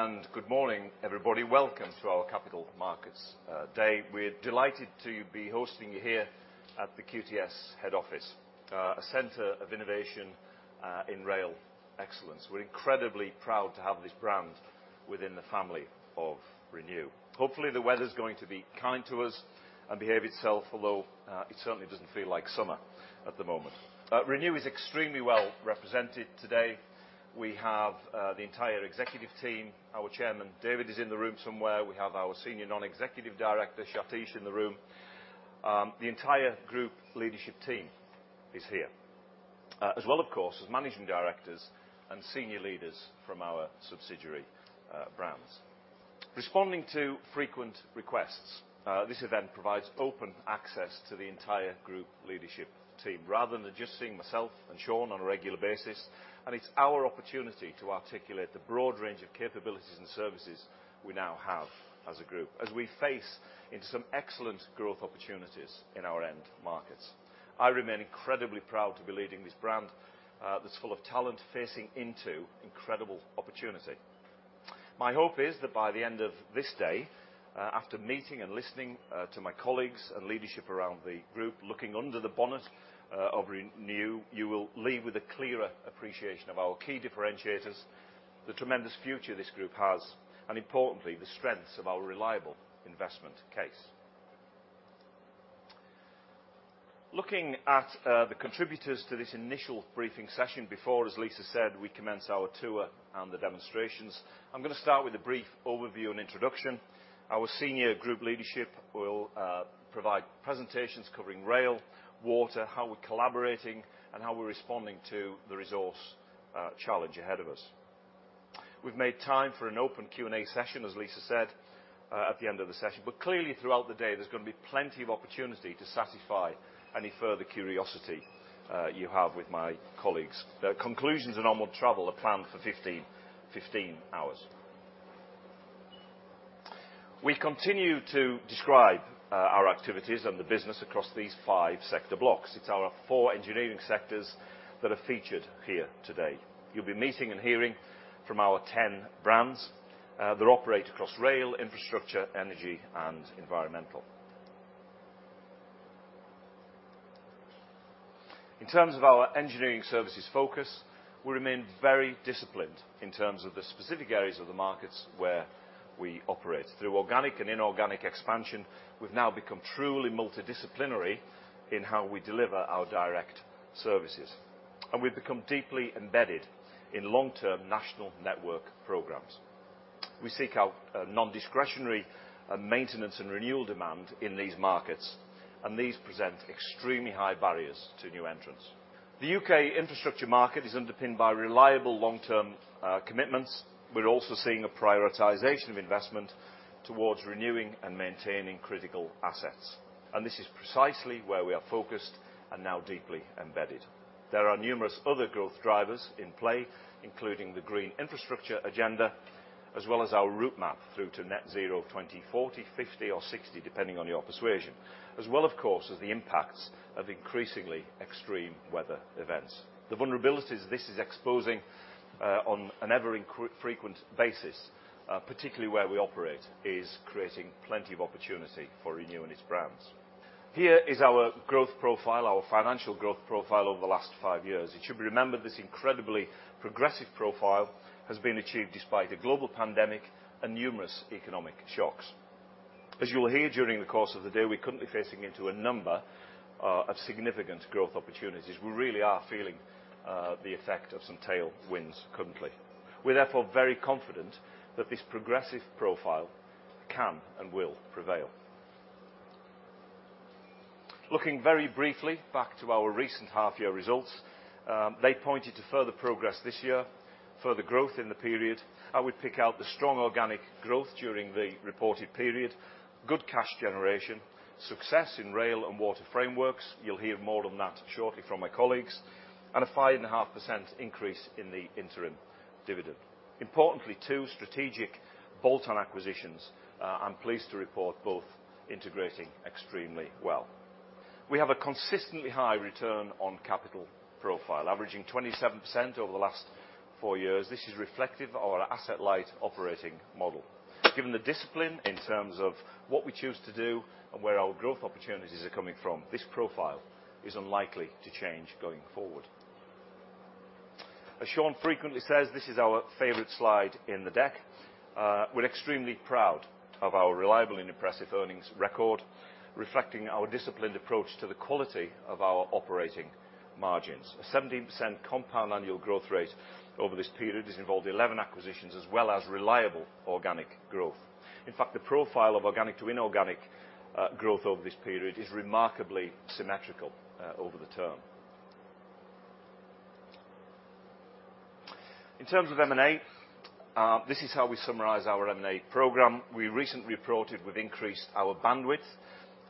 Hello, and good morning, everybody. Welcome to our Capital Markets Day. We're delighted to be hosting you here at the QTS head office, a center of innovation in rail excellence. We're incredibly proud to have this brand within the family of Renew. Hopefully, the weather's going to be kind to us and behave itself, although it certainly doesn't feel like summer at the moment. Renew is extremely well represented today. We have the entire executive team. Our Chairman, David, is in the room somewhere. We have our Senior Non-Executive Director, Shatish, in the room. The entire group leadership team is here, as well, of course, as managing directors and senior leaders from our subsidiary brands. Responding to frequent requests, this event provides open access to the entire group leadership team, rather than just seeing myself and Sean on a regular basis, and it's our opportunity to articulate the broad range of capabilities and services we now have as a group, as we face into some excellent growth opportunities in our end markets. I remain incredibly proud to be leading this brand, that's full of talent, facing into incredible opportunity. My hope is that by the end of this day, after meeting and listening to my colleagues and leadership around the group, looking under the bonnet of Renew, you will leave with a clearer appreciation of our key differentiators, the tremendous future this group has, and importantly, the strengths of our reliable investment case. Looking at the contributors to this initial briefing session, before, as Lisa said, we commence our tour and the demonstrations, I'm gonna start with a brief overview and introduction. Our senior group leadership will provide presentations covering rail, water, how we're collaborating, and how we're responding to the resource challenge ahead of us. We've made time for an open Q&A session, as Lisa said, at the end of the session, but clearly throughout the day, there's gonna be plenty of opportunity to satisfy any further curiosity you have with my colleagues. The conclusions and onward travel are planned for 3:15 P.M. We continue to describe our activities and the business across these five sector blocks. It's our four engineering sectors that are featured here today. You'll be meeting and hearing from our 10 brands that operate across rail, infrastructure, energy, and environmental. In terms of our engineering services focus, we remain very disciplined in terms of the specific areas of the markets where we operate. Through organic and inorganic expansion, we've now become truly multidisciplinary in how we deliver our direct services, and we've become deeply embedded in long-term national network programs. We seek out non-discretionary and maintenance and renewal demand in these markets, and these present extremely high barriers to new entrants. The U.K. infrastructure market is underpinned by reliable long-term commitments. We're also seeing a prioritization of investment towards renewing and maintaining critical assets, and this is precisely where we are focused and now deeply embedded. There are numerous other growth drivers in play, including the green infrastructure agenda, as well as our route map through to Net Zero, 2040, 2050, or 2060, depending on your persuasion. As well, of course, as the impacts of increasingly extreme weather events. The vulnerabilities this is exposing, on an ever-increasingly frequent basis, particularly where we operate, is creating plenty of opportunity for Renew and its brands. Here is our growth profile, our financial growth profile over the last five years. It should be remembered, this incredibly progressive profile has been achieved despite a global pandemic and numerous economic shocks. As you will hear during the course of the day, we're currently facing into a number, of significant growth opportunities. We really are feeling, the effect of some tailwinds currently. We're therefore very confident that this progressive profile can and will prevail. Looking very briefly back to our recent half-year results, they pointed to further progress this year, further growth in the period. I would pick out the strong organic growth during the reported period, good cash generation, success in rail and water frameworks. You'll hear more on that shortly from my colleagues, and a 5.5% increase in the interim dividend. Importantly, two strategic bolt-on acquisitions. I'm pleased to report, both integrating extremely well. We have a consistently high return on capital profile, averaging 27% over the last four years. This is reflective of our asset-light operating model. Given the discipline in terms of what we choose to do and where our growth opportunities are coming from, this profile is unlikely to change going forward. As Sean frequently says, this is our favorite slide in the deck. We're extremely proud of our reliable and impressive earnings record, reflecting our disciplined approach to the quality of our operating margins. A 17% compound annual growth rate over this period has involved 11 acquisitions, as well as reliable organic growth. In fact, the profile of organic to inorganic, growth over this period is remarkably symmetrical, over the term. In terms of M&A, this is how we summarize our M&A program. We recently reported we've increased our bandwidth,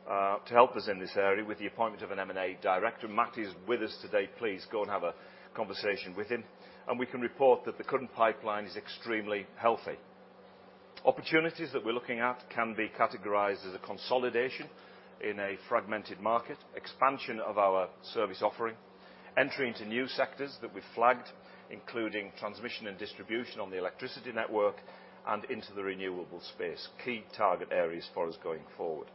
to help us in this area with the appointment of an M&A director. Matt is with us today. Please go and have a conversation with him. And we can report that the current pipeline is extremely healthy. Opportunities that we're looking at can be categorized as a consolidation in a fragmented market, expansion of our service offering, entry into new sectors that we've flagged, including transmission and distribution on the electricity network and into the renewable space, key target areas for us going forward.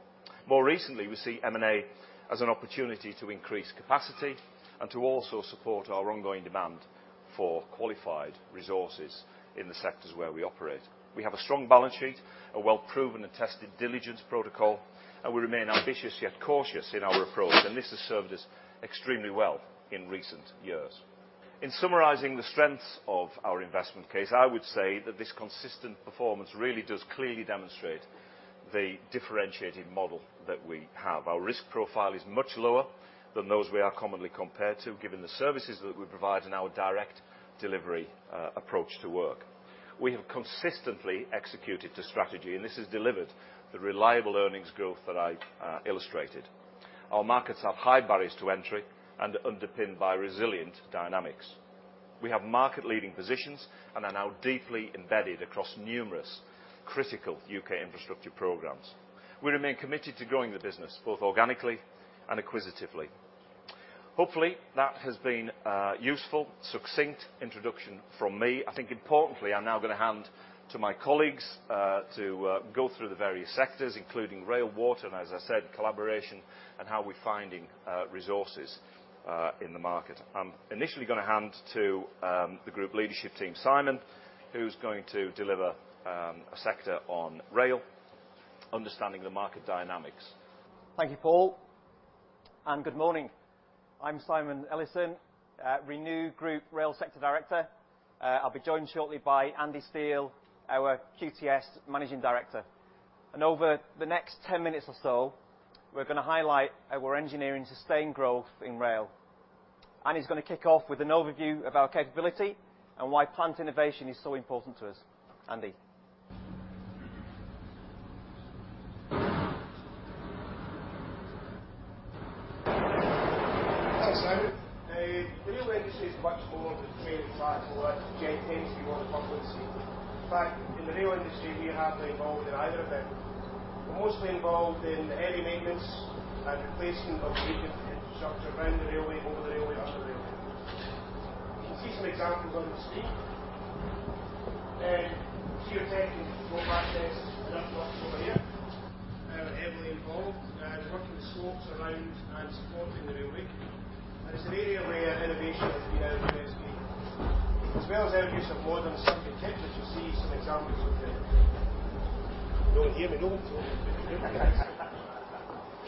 More recently, we see M&A as an opportunity to increase capacity and to also support our ongoing demand for qualified resources in the sectors where we operate. We have a strong balance sheet, a well-proven and tested diligence protocol, and we remain ambitious, yet cautious in our approach, and this has served us extremely well in recent years. In summarizing the strengths of our investment case, I would say that this consistent performance really does clearly demonstrate the differentiating model that we have. Our risk profile is much lower than those we are commonly compared to, given the services that we provide and our direct delivery approach to work. We have consistently executed to strategy, and this has delivered the reliable earnings growth that I've illustrated. Our markets have high barriers to entry and are underpinned by resilient dynamics. We have market-leading positions and are now deeply embedded across numerous critical U.K. infrastructure programs. We remain committed to growing the business, both organically and acquisitively. Hopefully, that has been a useful, succinct introduction from me. I think importantly, I'm now gonna hand to my colleagues, to go through the various sectors, including rail, water, and as I said, collaboration and how we're finding resources in the market. I'm initially gonna hand to the group leadership team, Simon, who's going to deliver a sector on rail, understanding the market dynamics. Thank you, Paul, and good morning. I'm Simon Ellison, Renew Group Rail Sector Director. I'll be joined shortly by Andy Steel, our QTS Managing Director, and over the next 10 minutes or so, we're gonna highlight how we're engineering sustained growth in rail. Andy? Thanks, Simon. The rail industry is much more than train and track, but what generally tends to be more the public see. In fact, in the rail industry, we are hardly involved in either of them. We're mostly involved in any maintenance and replacement of the infrastructure around the railway, over the railway, under the railway. You can see some examples on the screen. Geotech and remote access and earthworks over here, heavily involved, working the slopes around and supporting the railway, and it's an area where innovation has been absolutely as well as our use of modern survey techniques, as you'll see some examples of the... You don't hear me? No. Can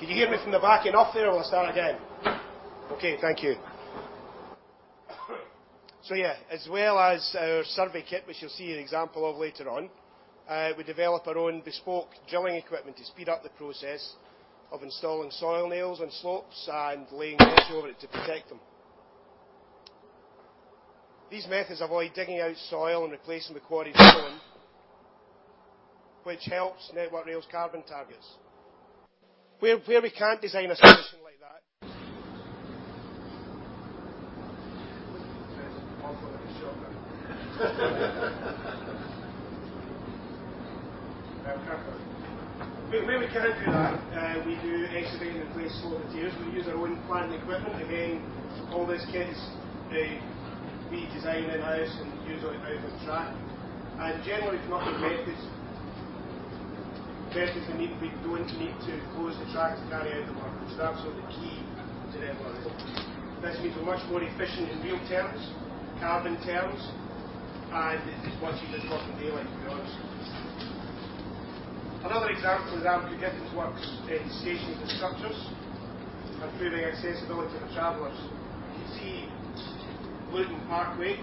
you hear me from the back and off there, or I'll start again? Okay, thank you. So yeah, as well as our survey kit, which you'll see an example of later on, we develop our own bespoke drilling equipment to speed up the process of installing soil nails in slopes and laying grass over it to protect them. These methods avoid digging out soil and replacing the quarry soil, which helps Network Rail's carbon targets. Where we can't design a solution like that. Where we can't do that, we do excavate and replace small materials. We use our own plant and equipment. Again, all this kit is, we design in-house and use on and off track, and generally come up with methods that do not need to close the track to carry out the work. So that's absolutely key to Network Rail. This means we're much more efficient in real terms, carbon terms, and it's much easier to work in daylight, to be honest. Another example is AmcoGiffen's works in stations and structures, improving accessibility for travelers. You can see Luton Parkway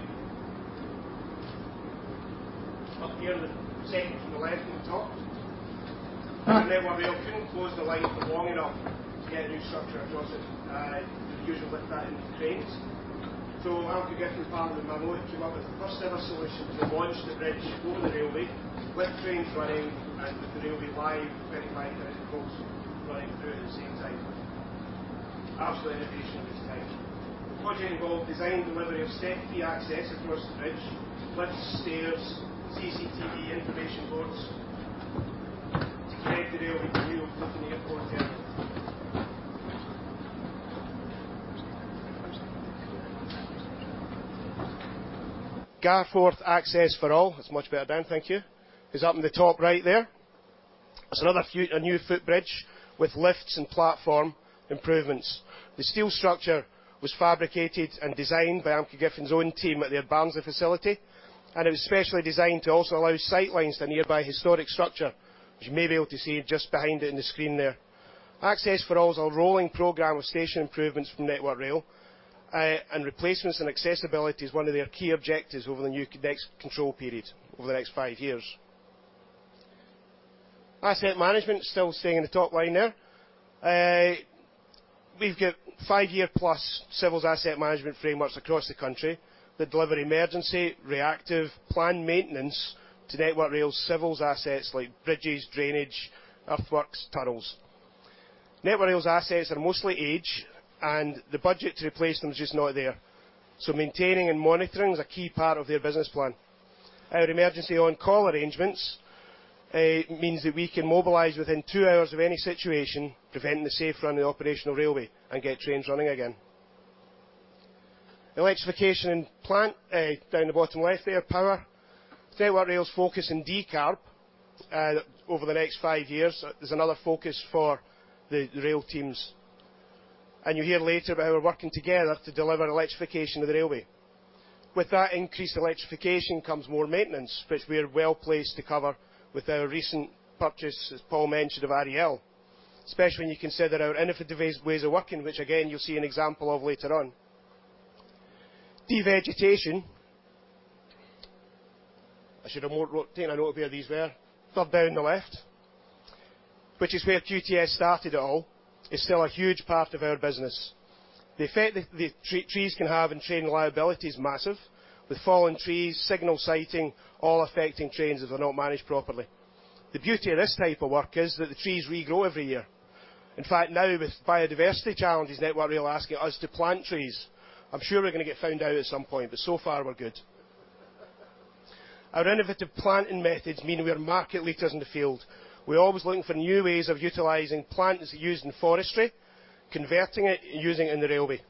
up here, the second from the left at the top. Network Rail couldn't close the line for long enough to get a new structure across it, usually with that into trains. So AmcoGiffen, in partnership, came up with the first-ever solution to launch the bridge on the railway, with trains running and with the railway live, 25 trains running through at the same time. Absolute innovation at the time. The project involved design and delivery of safety access across the bridge, lifts, stairs, CCTV, information boards to connect the railway to the new Luton Airport terminal. Garforth Access for All, that's much better, Dan. Thank you. It's up in the top ri`ght there. It's another a new footbridge with lifts and platform improvements. The steel structure was fabricated and designed by AmcoGiffen's own team at their Barnsley facility, and it was specially designed to also allow sightlines to a nearby historic structure, which you may be able to see just behind it in the screen there. Access for All is a rolling program of station improvements from Network Rail, and replacements and accessibility is one of their key objectives over the new next control period, over the next five years. Asset management, still staying in the top line there. We've got five-year-plus civils asset management frameworks across the country that deliver emergency, reactive, planned maintenance to Network Rail's civils assets like bridges, drainage, earthworks, tunnels. Network Rail's assets are mostly aged, and the budget to replace them is just not there, so maintaining and monitoring is a key part of their business plan. Our emergency on-call arrangements means that we can mobilize within two hours of any situation preventing the safe run of the operational railway and get trains running again. Electrification and Plant, down the bottom left there, power. Network Rail's focus in decarb over the next five years is another focus for the rail teams. And you'll hear later about how we're working together to deliver electrification of the railway. With that increased electrification comes more maintenance, which we are well-placed to cover with our recent purchase, as Paul mentioned, of REL, especially when you consider our innovative ways of working, which again, you'll see an example of later on. De-vegetation, I should have more wrote, taken a note of where these were. Third down on the left, which is where QTS started it all, is still a huge part of our business. The effect that the tree, trees can have on train reliability is massive, with fallen trees, signal sighting, all affecting trains if they're not managed properly. The beauty of this type of work is that the trees regrow every year. In fact, now with biodiversity challenges, Network Rail are asking us to plant trees. I'm sure we're gonna get found out at some point, but so far, we're good. Our innovative planting methods mean we are market leaders in the field. We're always looking for new ways of utilizing plants used in forestry, converting it, and using it in the railway.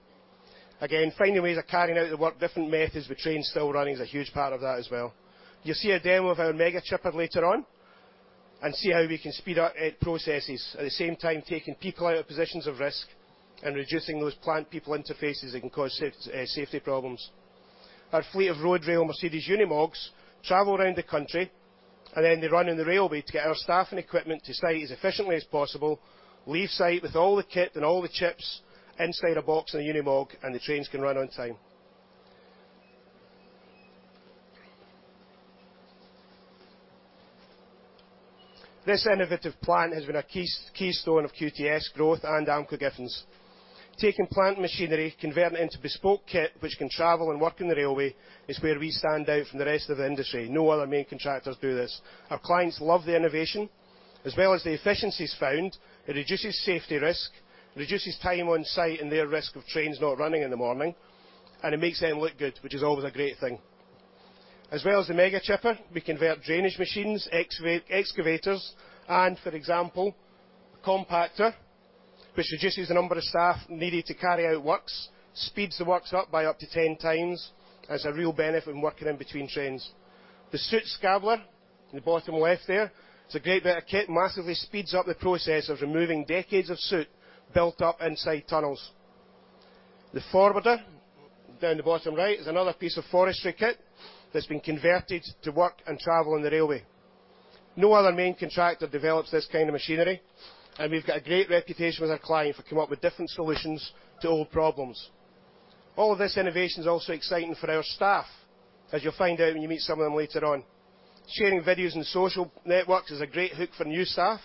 Again, finding ways of carrying out the work, different methods with trains still running is a huge part of that as well. You'll see a demo of our Mega Chipper later on, and see how we can speed up processes, at the same time taking people out of positions of risk and reducing those plant-people interfaces that can cause safety problems. Our fleet of road/rail Mercedes Unimogs travel around the country, and then they run on the railway to get our staff and equipment to site as efficiently as possible, leave site with all the kit and all the chips inside a box in a Unimog, and the trains can run on time. This innovative plant has been a keystone of QTS' growth and AmcoGiffen. Taking plant machinery, converting it into bespoke kit which can travel and work on the railway, is where we stand out from the rest of the industry. No other main contractors do this. Our clients love the innovation. As well as the efficiencies found, it reduces safety risk, reduces time on site and their risk of trains not running in the morning, and it makes them look good, which is always a great thing. As well as the Mega Chipper, we convert drainage machines, excavators, and for example, compactor, which reduces the number of staff needed to carry out works, speeds the works up by up to 10 times, as a real benefit when working in between trains. The Soot Scabbler, in the bottom left there, it's a great bit of kit, massively speeds up the process of removing decades of soot built up inside tunnels. The forwarder, down the bottom right, is another piece of forestry kit that's been converted to work and travel on the railway. No other main contractor develops this kind of machinery, and we've got a great reputation with our client for coming up with different solutions to old problems. All of this innovation is also exciting for our staff, as you'll find out when you meet some of them later on. Sharing videos on social networks is a great hook for new staff,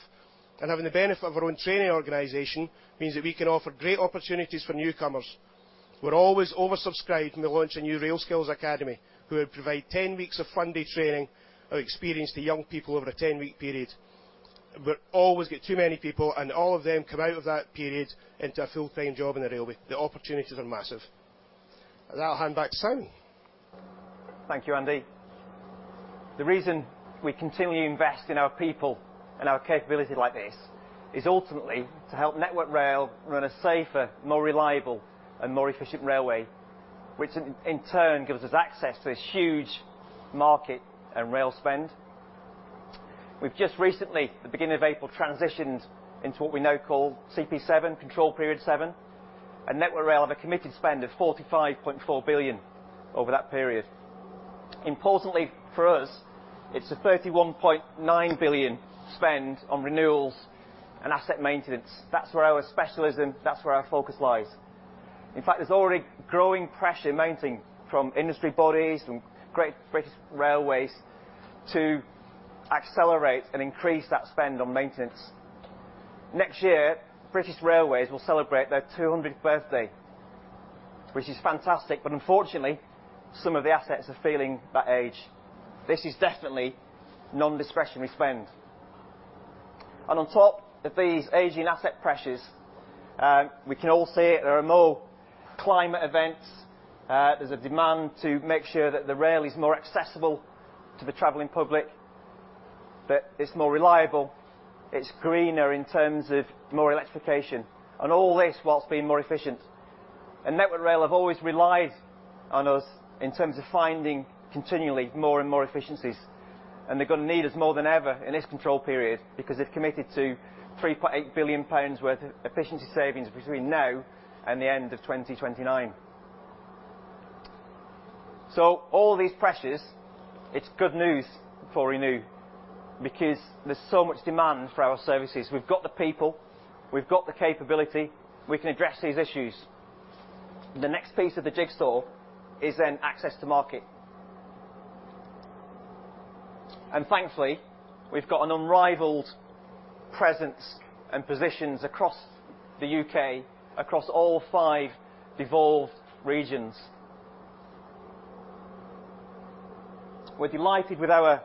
and having the benefit of our own training organization means that we can offer great opportunities for newcomers. We're always oversubscribed when we launch a new Rail Skills Academy, where we provide 10 weeks of funded training or experience to young people over a 10-week period. We always get too many people, and all of them come out of that period into a full-time job in the railway. The opportunities are massive. With that, I'll hand back to Simon. Thank you, Andy. The reason we continue to invest in our people and our capability like this is ultimately to help Network Rail run a safer, more reliable and more efficient railway, which in, in turn, gives us access to this huge market and rail spend. We've just recently, at the beginning of April, transitioned into what we now call CP7, Control Period 7, and Network Rail have a committed spend of 45.4 billion over that period. Importantly for us, it's a 31.9 billion spend on renewals and asset maintenance. That's where our specialism, that's where our focus lies. In fact, there's already growing pressure mounting from industry bodies, from Great British Railways, to accelerate and increase that spend on maintenance. Next year, British railways will celebrate their 200th birthday, which is fantastic, but unfortunately, some of the assets are feeling that age. This is definitely non-discretionary spend. And on top of these aging asset pressures, we can all see it, there are more climate events, there's a demand to make sure that the railway is more accessible to the traveling public, that it's more reliable, it's greener in terms of more electrification, and all this whilst being more efficient. And Network Rail have always relied on us in terms of finding continually more and more efficiencies, and they're going to need us more than ever in this control period, because they've committed to 3.8 billion pounds worth of efficiency savings between now and the end of 2029. So all these pressures, it's good news for Renew, because there's so much demand for our services. We've got the people, we've got the capability, we can address these issues. The next piece of the jigsaw is then access to market. Thankfully, we've got an unrivaled presence and positions across the U.K., across all five devolved regions... We're delighted with our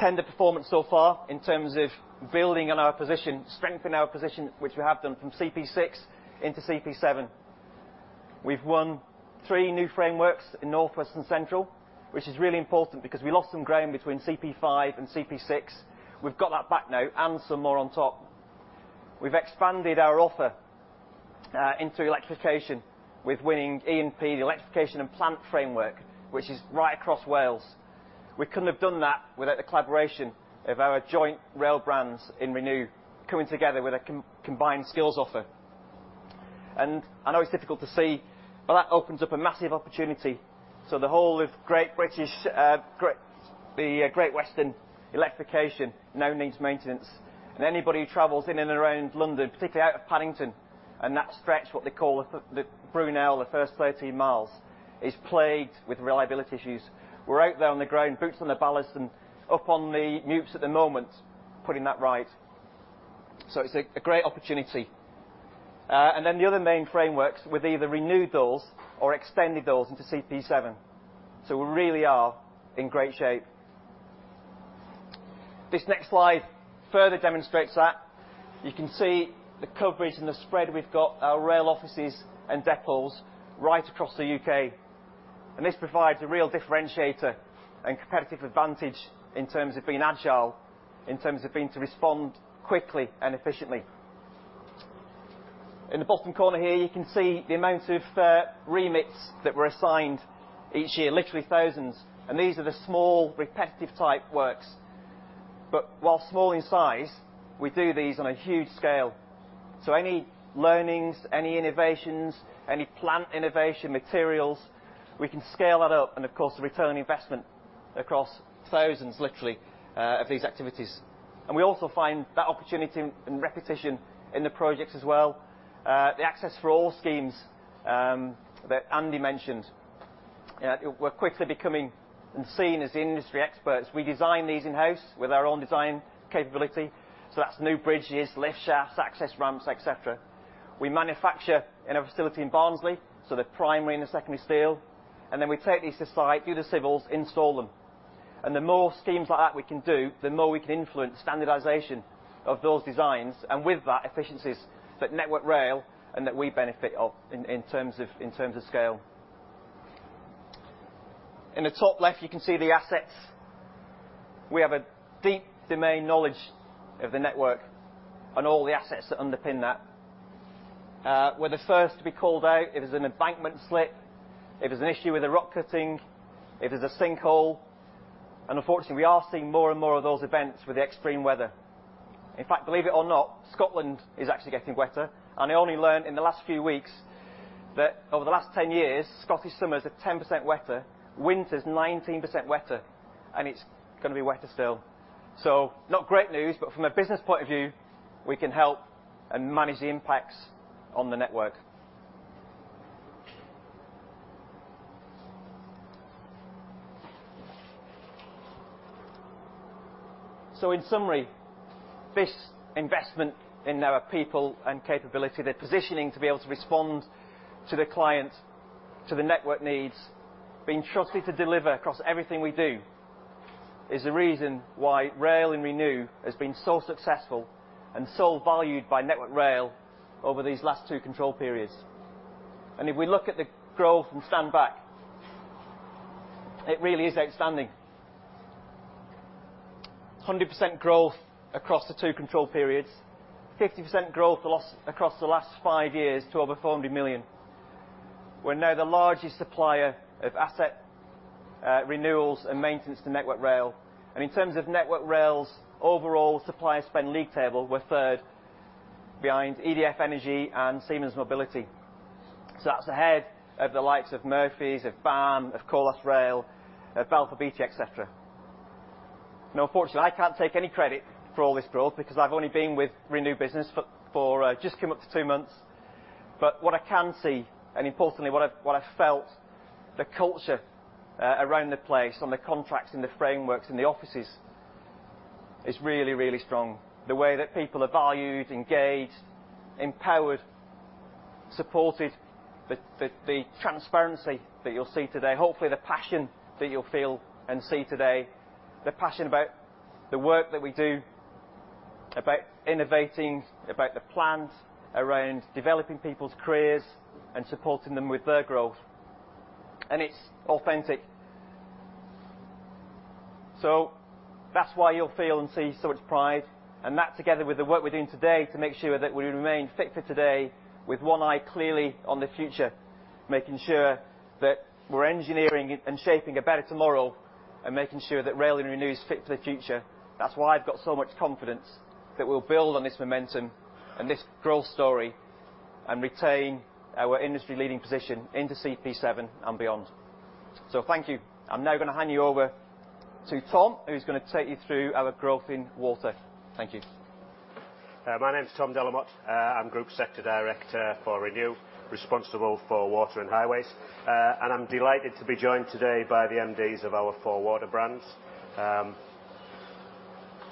tender performance so far in terms of building on our position, strengthening our position, which we have done from CP6 into CP7. We've won three new frameworks in North West and Central, which is really important because we lost some ground between CP5 and CP6. We've got that back now and some more on top. We've expanded our offer into electrification with winning E&P, the Electrification and Plant framework, which is right across Wales. We couldn't have done that without the collaboration of our joint rail brands in Renew, coming together with a combined skills offer. I know it's difficult to see, but that opens up a massive opportunity. So the whole of Great British, Great- the, Great Western electrification now needs maintenance. And anybody who travels in and around London, particularly out of Paddington, and that stretch, what they call the, the Brunel, the first 13 mi, is plagued with reliability issues. We're out there on the ground, boots on the ballast and up on the masts at the moment, putting that right. So it's a great opportunity. And then the other main frameworks with either renewed those or extended those into CP7. So we really are in great shape. This next slide further demonstrates that. You can see the coverage and the spread we've got our rail offices and depots right across the U.K., and this provides a real differentiator and competitive advantage in terms of being agile, in terms of being to respond quickly and efficiently. In the bottom corner here, you can see the amount of remits that were assigned each year, literally thousands, and these are the small, repetitive type works. But while small in size, we do these on a huge scale. So any learnings, any innovations, any plant innovation materials, we can scale that up and, of course, return on investment across thousands, literally of these activities. And we also find that opportunity and repetition in the projects as well. The Access for All schemes that Andy mentioned, we're quickly becoming and seen as the industry experts. We design these in-house with our own design capability, so that's new bridges, lift shafts, access ramps, et cetera. We manufacture in our facility in Barnsley, so the primary and the secondary steel, and then we take these to site, do the civils, install them. The more schemes like that we can do, the more we can influence standardization of those designs, and with that, efficiencies that Network Rail and that we benefit of in terms of scale. In the top left, you can see the assets. We have a deep domain knowledge of the network and all the assets that underpin that. We're the first to be called out if there's an embankment slip, if there's an issue with a rock cutting, if there's a sinkhole, and unfortunately, we are seeing more and more of those events with the extreme weather. In fact, believe it or not, Scotland is actually getting wetter, and I only learned in the last few weeks that over the last 10 years, Scottish summers are 10% wetter, winters 19% wetter, and it's gonna be wetter still. So not great news, but from a business point of view, we can help and manage the impacts on the network. So in summary, this investment in our people and capability, the positioning to be able to respond to the client, to the network needs, being trusted to deliver across everything we do, is the reason why rail and Renew has been so successful and so valued by Network Rail over these last two control periods. And if we look at the growth and stand back, it really is outstanding. 100% growth across the two control periods, 50% growth across the last five years to over 400 million. We're now the largest supplier of asset renewals and maintenance to Network Rail, and in terms of Network Rail's overall supplier spend league table, we're third behind EDF Energy and Siemens Mobility. That's ahead of the likes of Murphy's, of BAM, of Colas Rail, of Balfour Beatty, et cetera. Now, unfortunately, I can't take any credit for all this growth because I've only been with Renew business for just come up to two months. But what I can see, and importantly, what I've what I felt, the culture around the place, on the contracts and the frameworks in the offices is really, really strong. The way that people are valued, engaged, empowered, supported, the transparency that you'll see today, hopefully the passion that you'll feel and see today, the passion about the work that we do, about innovating, about the plans around developing people's careers and supporting them with their growth. And it's authentic. So that's why you'll feel and see so much pride, and that together with the work we're doing today, to make sure that we remain fit for today with one eye clearly on the future, making sure that we're engineering and shaping a better tomorrow, and making sure that Rail and Renew is fit for the future. That's why I've got so much confidence that we'll build on this momentum and this growth story and retain our industry leading position into CP7 and beyond. So thank you. I'm now gonna hand you over to Tom, who's gonna take you through our growth in water. Thank you. My name is Tom De La Motte. I'm Group Sector Director for Renew, responsible for water and highways. I'm delighted to be joined today by the MDs of our four water brands.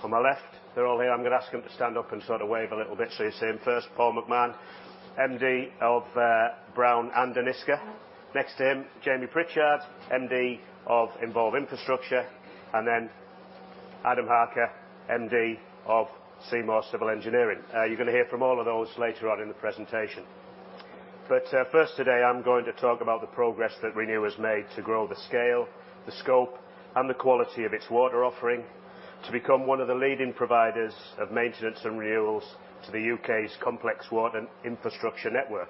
On my left, they're all here. I'm going to ask them to stand up and sort of wave a little bit so you see them. First, Paul McMahon, MD of Browne and Enisca. Next to him, Jamie Pritchard, MD of Envolve Infrastructure, and then Adam Harker, MD of Seymour Civil Engineering. You're going to hear from all of those later on in the presentation. But first, today, I'm going to talk about the progress that Renew has made to grow the scale, the scope, and the quality of its water offering to become one of the leading providers of maintenance and renewals to the U.K.'s complex water infrastructure network.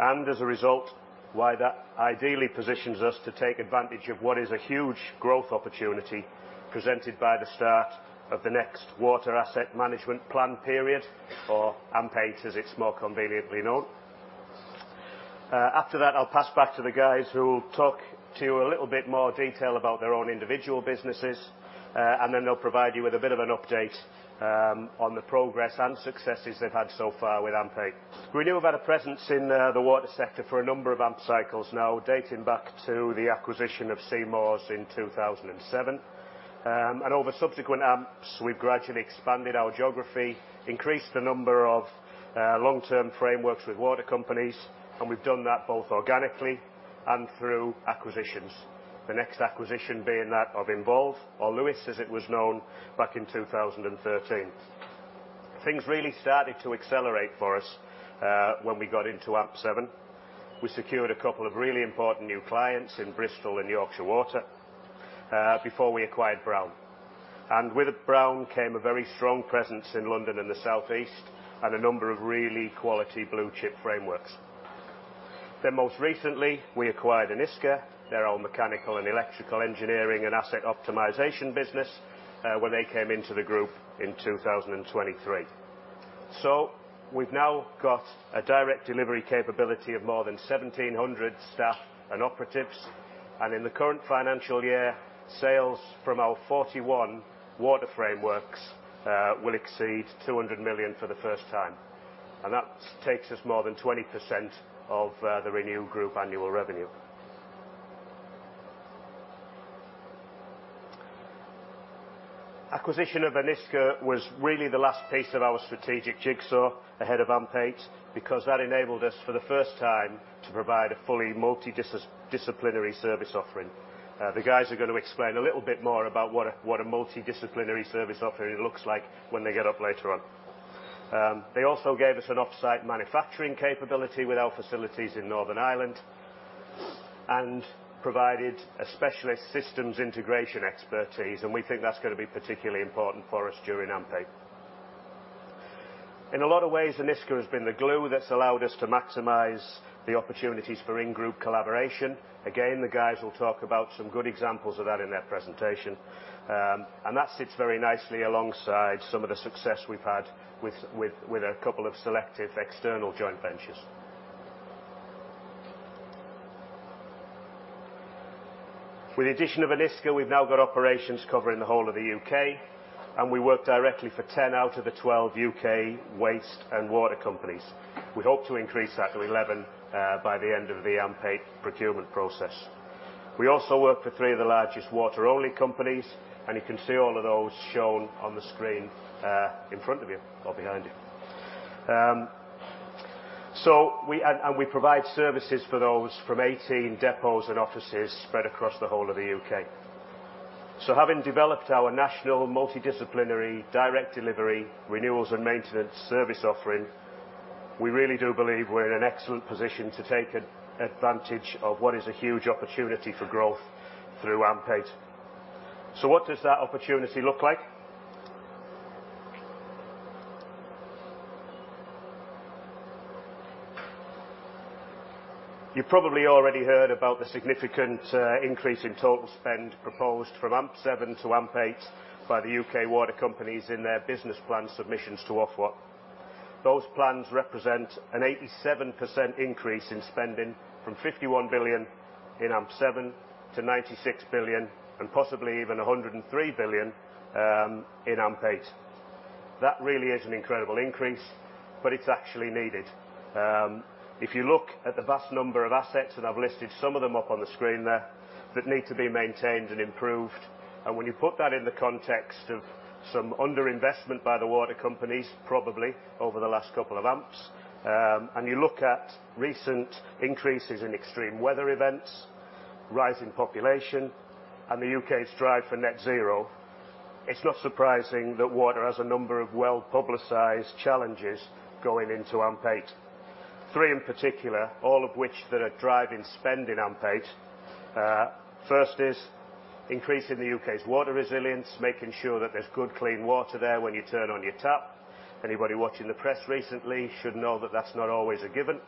And as a result, why that ideally positions us to take advantage of what is a huge growth opportunity presented by the start of the next water asset management plan period, or AMP8, as it's more conveniently known. After that, I'll pass back to the guys who will talk to you in a little bit more detail about their own individual businesses. And then they'll provide you with a bit of an update on the progress and successes they've had so far with AMP8. Renew have had a presence in the water sector for a number of AMP cycles now, dating back to the acquisition of Seymour in 2007. And over subsequent AMPs, we've gradually expanded our geography, increased the number of long-term frameworks with water companies, and we've done that both organically and through acquisitions. The next acquisition being that of Envolve, or Lewis, as it was known back in 2013. Things really started to accelerate for us when we got into AMP7. We secured a couple of really important new clients in Bristol Water and Yorkshire Water before we acquired Browne. And with Browne came a very strong presence in London and the Southeast and a number of really quality blue chip frameworks. Then, most recently, we acquired Enisca, their own mechanical and electrical engineering and asset optimization business when they came into the group in 2023. So we've now got a direct delivery capability of more than 1,700 staff and operatives, and in the current financial year, sales from our 41 water frameworks will exceed 200 million for the first time, and that takes us more than 20% of the Renew Group's annual revenue. Acquisition of Enisca was really the last piece of our strategic jigsaw ahead of AMP8, because that enabled us, for the first time, to provide a fully multidisciplinary service offering. The guys are going to explain a little bit more about what a multidisciplinary service offering looks like when they get up later on. They also gave us an off-site manufacturing capability with our facilities in Northern Ireland and provided a specialist systems integration expertise, and we think that's going to be particularly important for us during AMP8. In a lot of ways, Enisca has been the glue that's allowed us to maximize the opportunities for in-group collaboration. Again, the guys will talk about some good examples of that in their presentation, and that sits very nicely alongside some of the success we've had with a couple of selective external joint ventures. With the addition of Enisca, we've now got operations covering the whole of the U.K., and we work directly for 10 out of the 12 U.K. waste and water companies. We hope to increase that to 11 by the end of the AMP8 procurement process. We also work for three of the largest water-only companies, and you can see all of those shown on the screen in front of you or behind you. We provide services for those from 18 depots and offices spread across the whole of the U.K. So having developed our national, multidisciplinary, direct delivery, renewals and maintenance service offering, we really do believe we're in an excellent position to take advantage of what is a huge opportunity for growth through AMP8. So what does that opportunity look like? You probably already heard about the significant increase in total spend proposed from AMP7 to AMP8 by the U.K. water companies in their business plan submissions to Ofwat. Those plans represent an 87% increase in spending from 51 billion in AMP7 to 96 billion, and possibly even 103 billion in AMP8. That really is an incredible increase, but it's actually needed. If you look at the vast number of assets, and I've listed some of them up on the screen there, that need to be maintained and improved, and when you put that in the context of some underinvestment by the water companies, probably over the last couple of AMPs, and you look at recent increases in extreme weather events, rising population, and the U.K.'s drive for Net Zero, it's not surprising that water has a number of well-publicized challenges going into AMP8. Three, in particular, all of which that are driving spend in AMP8. First is increasing the U.K.'s water resilience, making sure that there's good, clean water there when you turn on your tap. Anybody watching the press recently should know that that's not always a given.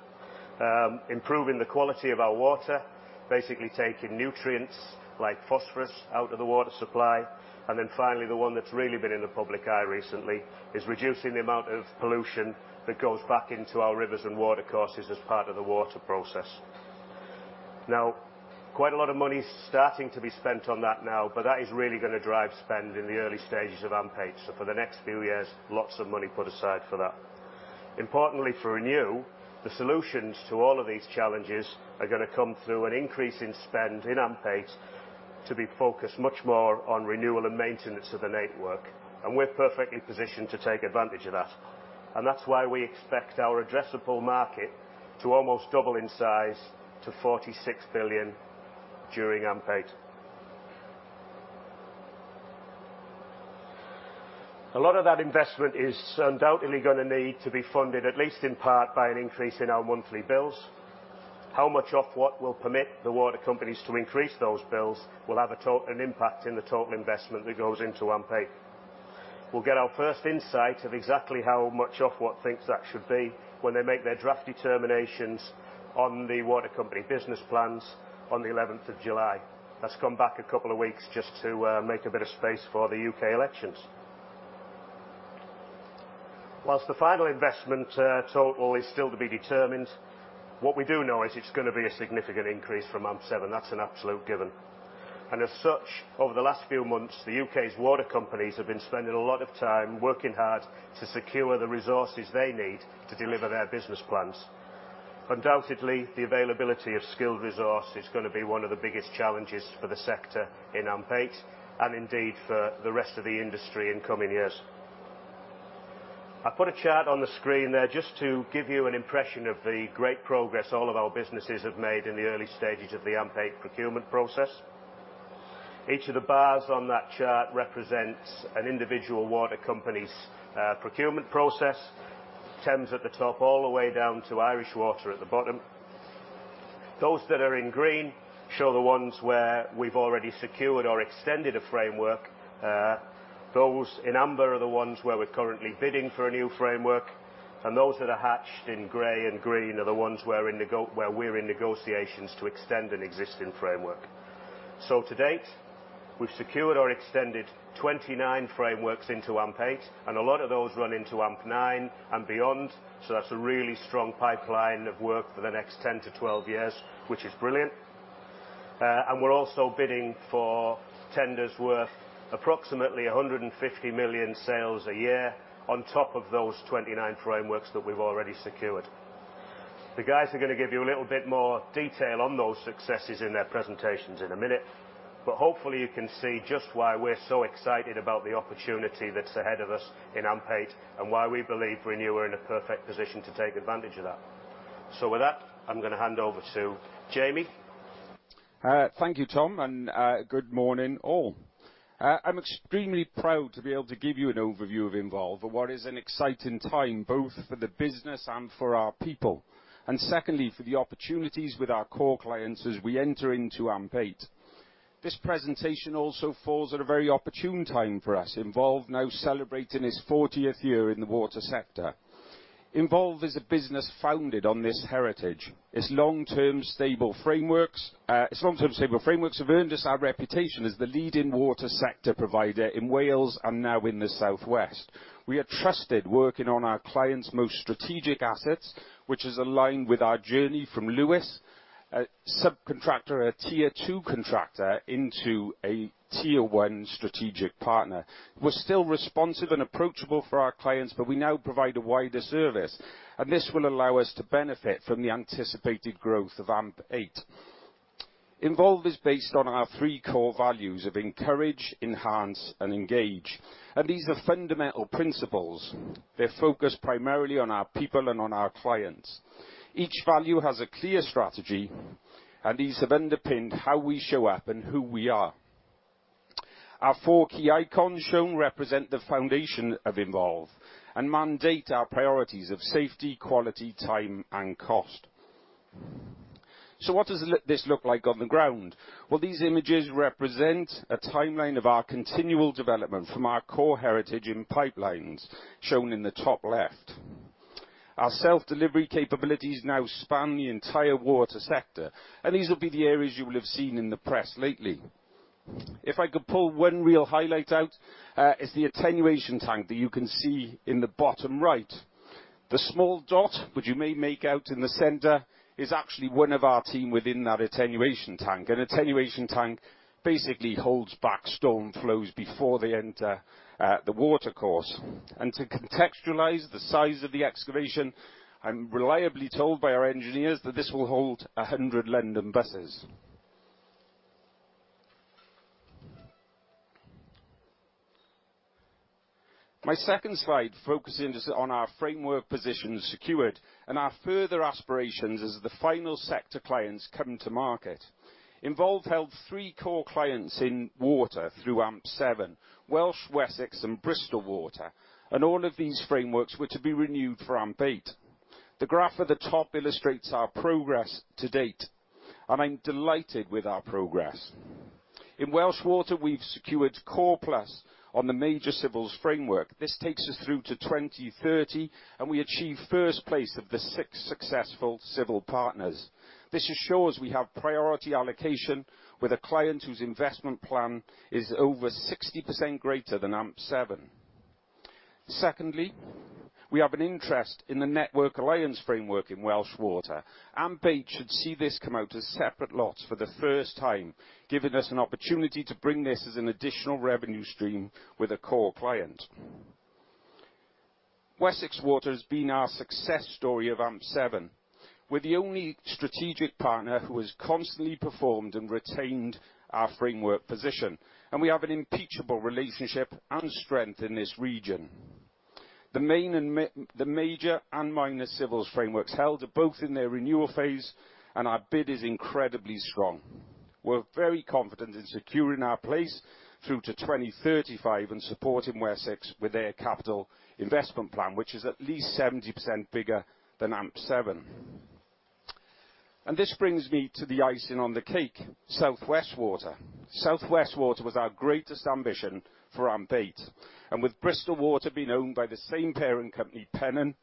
Improving the quality of our water, basically taking nutrients, like phosphorus, out of the water supply. Finally, the one that's really been in the public eye recently is reducing the amount of pollution that goes back into our rivers and water courses as part of the water process. Now, quite a lot of money is starting to be spent on that now, but that is really going to drive spend in the early stages of AMP8. So for the next few years, lots of money put aside for that. Importantly, for Renew, the solutions to all of these challenges are going to come through an increase in spend in AMP8, to be focused much more on renewal and maintenance of the network, and we're perfectly positioned to take advantage of that. That's why we expect our addressable market to almost double in size to 46 billion during AMP8. A lot of that investment is undoubtedly going to need to be funded, at least in part, by an increase in our monthly bills. How much Ofwat will permit the water companies to increase those bills will have an impact on the total investment that goes into AMP8. We'll get our first insight of exactly how much Ofwat thinks that should be when they make their draft determinations on the water company business plans on the eleventh of July. That's come back a couple of weeks just to make a bit of space for the U.K. elections. Whilst the final investment total is still to be determined, what we do know is it's going to be a significant increase from AMP7. That's an absolute given. As such, over the last few months, the U.K.'s water companies have been spending a lot of time working hard to secure the resources they need to deliver their business plans. Undoubtedly, the availability of skilled resource is going to be one of the biggest challenges for the sector in AMP8, and indeed for the rest of the industry in coming years. I've put a chart on the screen there just to give you an impression of the great progress all of our businesses have made in the early stages of the AMP8 procurement process. Each of the bars on that chart represents an individual water company's procurement process. Thames at the top, all the way down to Irish Water at the bottom. Those that are in green show the ones where we've already secured or extended a framework. Those in amber are the ones where we're currently bidding for a new framework, and those that are hatched in gray and green are the ones where we're in negotiations to extend an existing framework. So to date, we've secured or extended 29 frameworks into AMP8, and a lot of those run into AMP9 and beyond. So that's a really strong pipeline of work for the next 10 to 12 years, which is brilliant. And we're also bidding for tenders worth approximately 150 million sales a year on top of those 29 frameworks that we've already secured. The guys are going to give you a little bit more detail on those successes in their presentations in a minute, but hopefully, you can see just why we're so excited about the opportunity that's ahead of us in AMP8, and why we believe Renew are in a perfect position to take advantage of that. So with that, I'm going to hand over to Jamie. Thank you, Tom, and good morning, all. I'm extremely proud to be able to give you an overview of Envolve, of what is an exciting time, both for the business and for our people, and secondly, for the opportunities with our core clients as we enter into AMP8. This presentation also falls at a very opportune time for us. Envolve now celebrating its fortieth year in the water sector. Envolve is a business founded on this heritage. Its long-term, stable frameworks have earned us our reputation as the leading water sector provider in Wales and now in the South West. We are trusted working on our clients' most strategic assets, which is aligned with our journey from Lewis, a subcontractor, a Tier 2 contractor, into a Tier 1 strategic partner. We're still responsive and approachable for our clients, but we now provide a wider service, and this will allow us to benefit from the anticipated growth of AMP8. Envolve is based on our three core values of encourage, enhance and engage, and these are fundamental principles. They're focused primarily on our people and on our clients. Each value has a clear strategy, and these have underpinned how we show up and who we are. Our four key icons shown represent the foundation of Envolve and mandate our priorities of safety, quality, time, and cost. So what does this look like on the ground? Well, these images represent a timeline of our continual development from our core heritage in pipelines, shown in the top left. Our self-delivery capabilities now span the entire water sector, and these will be the areas you will have seen in the press lately. If I could pull one real highlight out, is the attenuation tank that you can see in the bottom right. The small dot, which you may make out in the center, is actually one of our team within that attenuation tank. An attenuation tank basically holds back storm flows before they enter the water course. And to contextualize the size of the excavation, I'm reliably told by our engineers that this will hold 100 London buses. My second slide focuses on our framework positions secured and our further aspirations as the final sector clients come to market. Envolve held three core clients in water through AMP7, Welsh, Wessex, and Bristol Water, and all of these frameworks were to be renewed for AMP8. The graph at the top illustrates our progress to date, and I'm delighted with our progress. In Welsh Water, we've secured Core Plus on the Major Civils Framework. This takes us through to 2030, and we achieved first place of the six successful civil partners. This assures we have priority allocation with a client whose investment plan is over 60% greater than AMP7. Secondly, we have an interest in the Network Alliance framework in Welsh Water. AMP8 should see this come out as separate lots for the first time, giving us an opportunity to bring this as an additional revenue stream with a core client. Wessex Water has been our success story of AMP7, with the only strategic partner who has constantly performed and retained our framework position, and we have an impeccable relationship and strength in this region. The major and minor civils frameworks held are both in their renewal phase, and our bid is incredibly strong. We're very confident in securing our place through to 2035 and supporting Wessex with their capital investment plan, which is at least 70% bigger than AMP7. This brings me to the icing on the cake, South West Water. South West Water was our greatest ambition for AMP8, and with Bristol Water being owned by the same parent company, Pennon,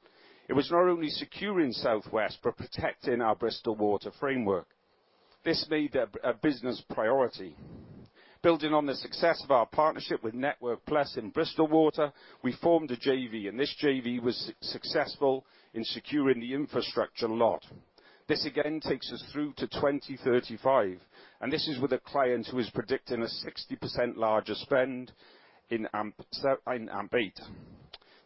it was not only securing South West, but protecting our Bristol Water framework. This made a business priority. Building on the success of our partnership with Network Plus and Bristol Water, we formed a JV, and this JV was successful in securing the infrastructure lot. This again takes us through to 2035, and this is with a client who is predicting a 60% larger spend in AMP8.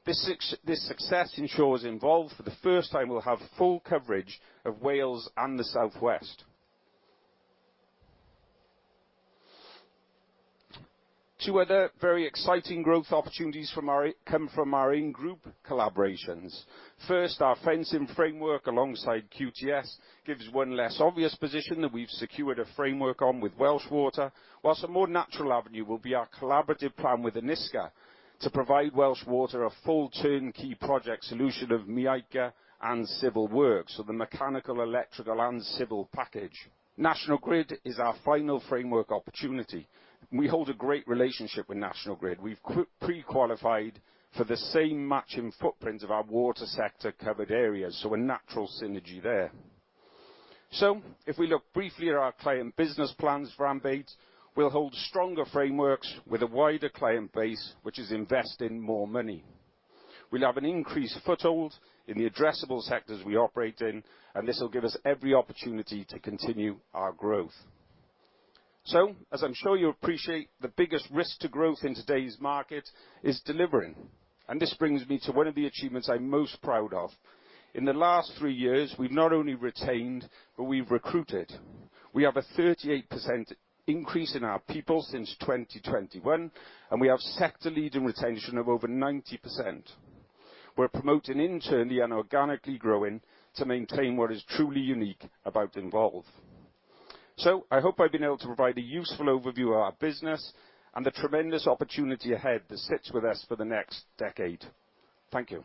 This success ensures Envolve, for the first time, will have full coverage of Wales and the South West. Two other very exciting growth opportunities from our come from our in-group collaborations. First, our fencing framework alongside QTS, gives one less obvious position that we've secured a framework on with Welsh Water, whilst a more natural avenue will be our collaborative plan with Enisca to provide Welsh Water a full turnkey project solution of MEICA and civil works, so the mechanical, electrical, and civil package. National Grid is our final framework opportunity. We hold a great relationship with National Grid. We've pre-qualified for the same matching footprints of our water sector covered areas, so a natural synergy there. So if we look briefly at our client business plans for AMP8, we'll hold stronger frameworks with a wider client base, which is investing more money. We'll have an increased foothold in the addressable sectors we operate in, and this will give us every opportunity to continue our growth. So, as I'm sure you appreciate, the biggest risk to growth in today's market is delivering, and this brings me to one of the achievements I'm most proud of. In the last three years, we've not only retained, but we've recruited. We have a 38% increase in our people since 2021, and we have sector-leading retention of over 90%. We're promoting internally and organically growing to maintain what is truly unique about Envolve. So I hope I've been able to provide a useful overview of our business and the tremendous opportunity ahead that sits with us for the next decade. Thank you.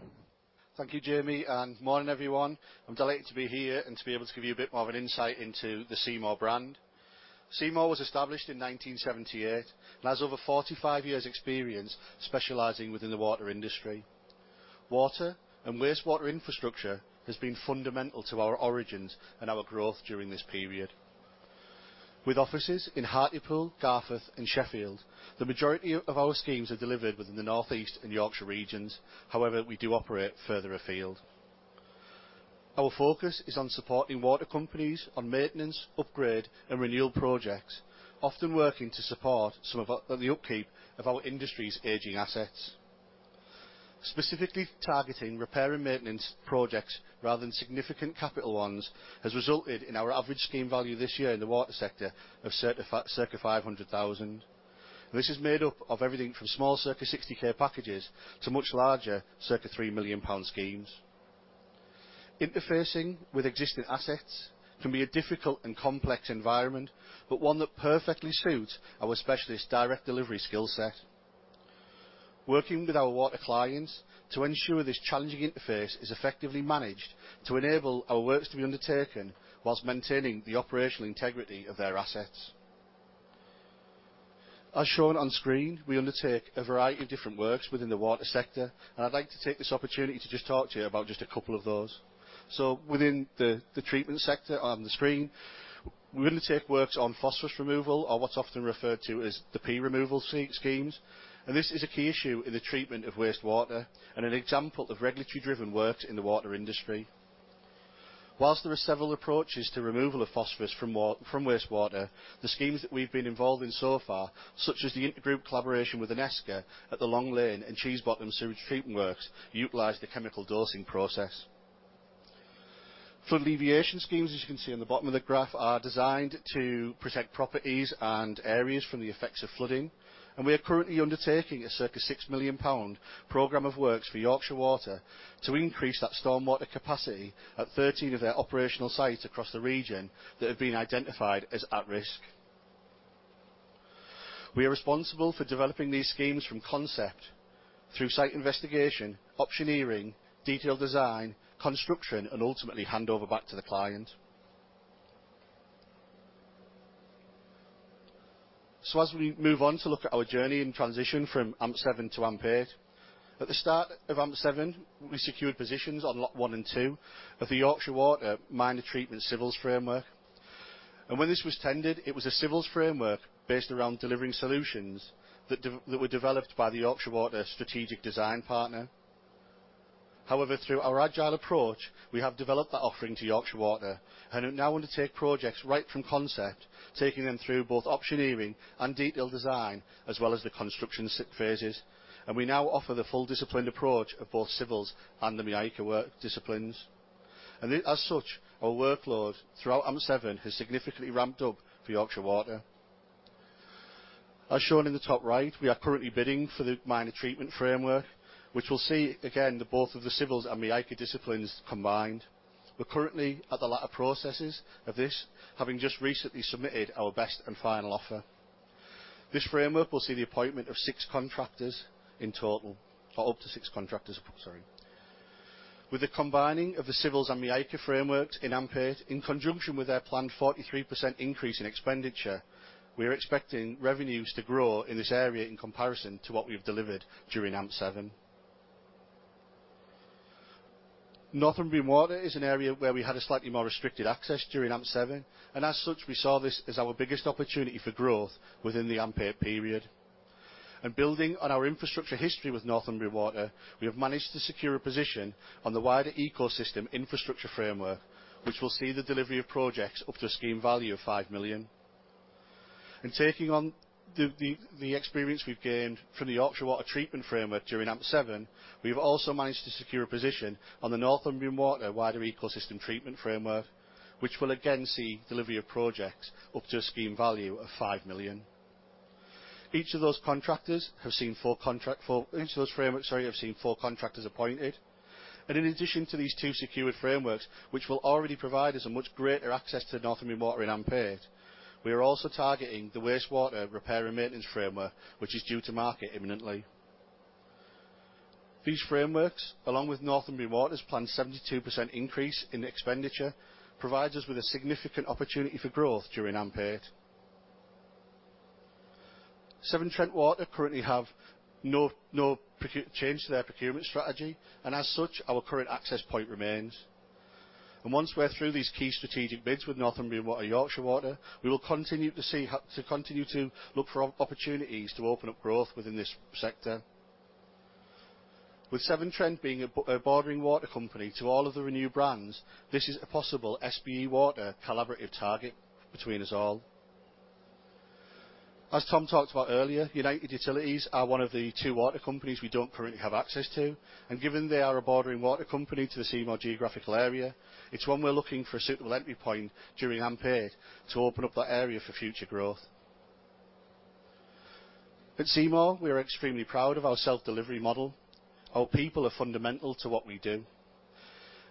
Thank you, Jaime, and morning, everyone. I'm delighted to be here and to be able to give you a bit more of an insight into the Seymour brand. Seymour was established in 1978 and has over 45 years experience specializing within the water industry. Water and wastewater infrastructure has been fundamental to our origins and our growth during this period. With offices in Hartlepool, Garforth, and Sheffield, the majority of our schemes are delivered within the North East and Yorkshire regions. However, we do operate further afield. Our focus is on supporting water companies on maintenance, upgrade, and renewal projects, often working to support the upkeep of our industry's aging assets. Specifically, targeting repair and maintenance projects rather than significant capital ones, has resulted in our average scheme value this year in the water sector of circa 500,000. This is made up of everything from small, circa 60,000 packages, to much larger, circa 3 million pound schemes. Interfacing with existing assets can be a difficult and complex environment, but one that perfectly suits our specialist direct delivery skill set. Working with our water clients to ensure this challenging interface is effectively managed, to enable our works to be undertaken while maintaining the operational integrity of their assets. As shown on screen, we undertake a variety of different works within the water sector, and I'd like to take this opportunity to just talk to you about just a couple of those. So within the treatment sector on the screen, we undertake works on phosphorus removal or what's often referred to as the P removal schemes, and this is a key issue in the treatment of wastewater and an example of regulatory-driven works in the water industry. While there are several approaches to removal of phosphorus from wastewater, the schemes that we've been involved in so far, such as the inter-group collaboration with Enisca at the Long Lane and Cheese Bottom sewage treatment works, utilize the chemical dosing process. Flood alleviation schemes, as you can see on the bottom of the graph, are designed to protect properties and areas from the effects of flooding, and we are currently undertaking a circa 6 million pound program of works for Yorkshire Water, to increase that stormwater capacity at 13 of their operational sites across the region that have been identified as at risk. We are responsible for developing these schemes from concept through site investigation, optioneering, detailed design, construction, and ultimately hand over back to the client. As we move on to look at our journey and transition from AMP7 to AMP8, at the start of AMP7, we secured positions on lot 1 and 2 of the Yorkshire Water Minor Treatment Civils Framework. When this was tendered, it was a civils framework based around delivering solutions that were developed by the Yorkshire Water strategic design partner. However, through our agile approach, we have developed that offering to Yorkshire Water, and it now undertake projects right from concept, taking them through both optioneering and detailed design, as well as the construction phases, and we now offer the full disciplined approach of both civils and the MEICA work disciplines, and as such, our workload throughout AMP7 has significantly ramped up for Yorkshire Water. As shown in the top right, we are currently bidding for the Minor Treatment Framework, which will see, again, the both of the civils and the MEICA disciplines combined. We're currently at the latter processes of this, having just recently submitted our best and final offer. This framework will see the appointment of six contractors in total, or up to six contractors, sorry. With the combining of the civils and MEICA frameworks in AMP8, in conjunction with their planned 43% increase in expenditure, we are expecting revenues to grow in this area in comparison to what we've delivered during AMP7. Northumbrian Water is an area where we had a slightly more restricted access during AMP7, and as such, we saw this as our biggest opportunity for growth within the AMP8 period. Building on our infrastructure history with Northumbrian Water, we have managed to secure a position on the wider Ecosystem infrastructure framework, which will see the delivery of projects up to a scheme value of 5 million. In taking on the experience we've gained from the Yorkshire Water treatment framework during AMP7, we've also managed to secure a position on the Northumbrian Water wider Ecosystem treatment framework, which will again see delivery of projects up to a scheme value of 5 million. Each of those frameworks, sorry, have seen four contractors appointed. In addition to these two secured frameworks, which will already provide us a much greater access to Northumbrian Water in AMP8, we are also targeting the wastewater repair and maintenance framework, which is due to market imminently. These frameworks, along with Northumbrian Water's planned 72% increase in expenditure, provides us with a significant opportunity for growth during AMP8. Severn Trent Water currently have no procurement change to their procurement strategy, and as such, our current access point remains. Once we're through these key strategic bids with Northumbrian Water, Yorkshire Water, we will continue to look for opportunities to open up growth within this sector. With Severn Trent being a bordering water company to all of the Renew brands, this is a possible SB Water collaborative target between us all. As Tom talked about earlier, United Utilities are one of the two water companies we don't currently have access to, and given they are a bordering water company to the Seymour geographical area, it's one we're looking for a suitable entry point during AMP8 to open up that area for future growth. At Seymour, we are extremely proud of our self-delivery model. Our people are fundamental to what we do,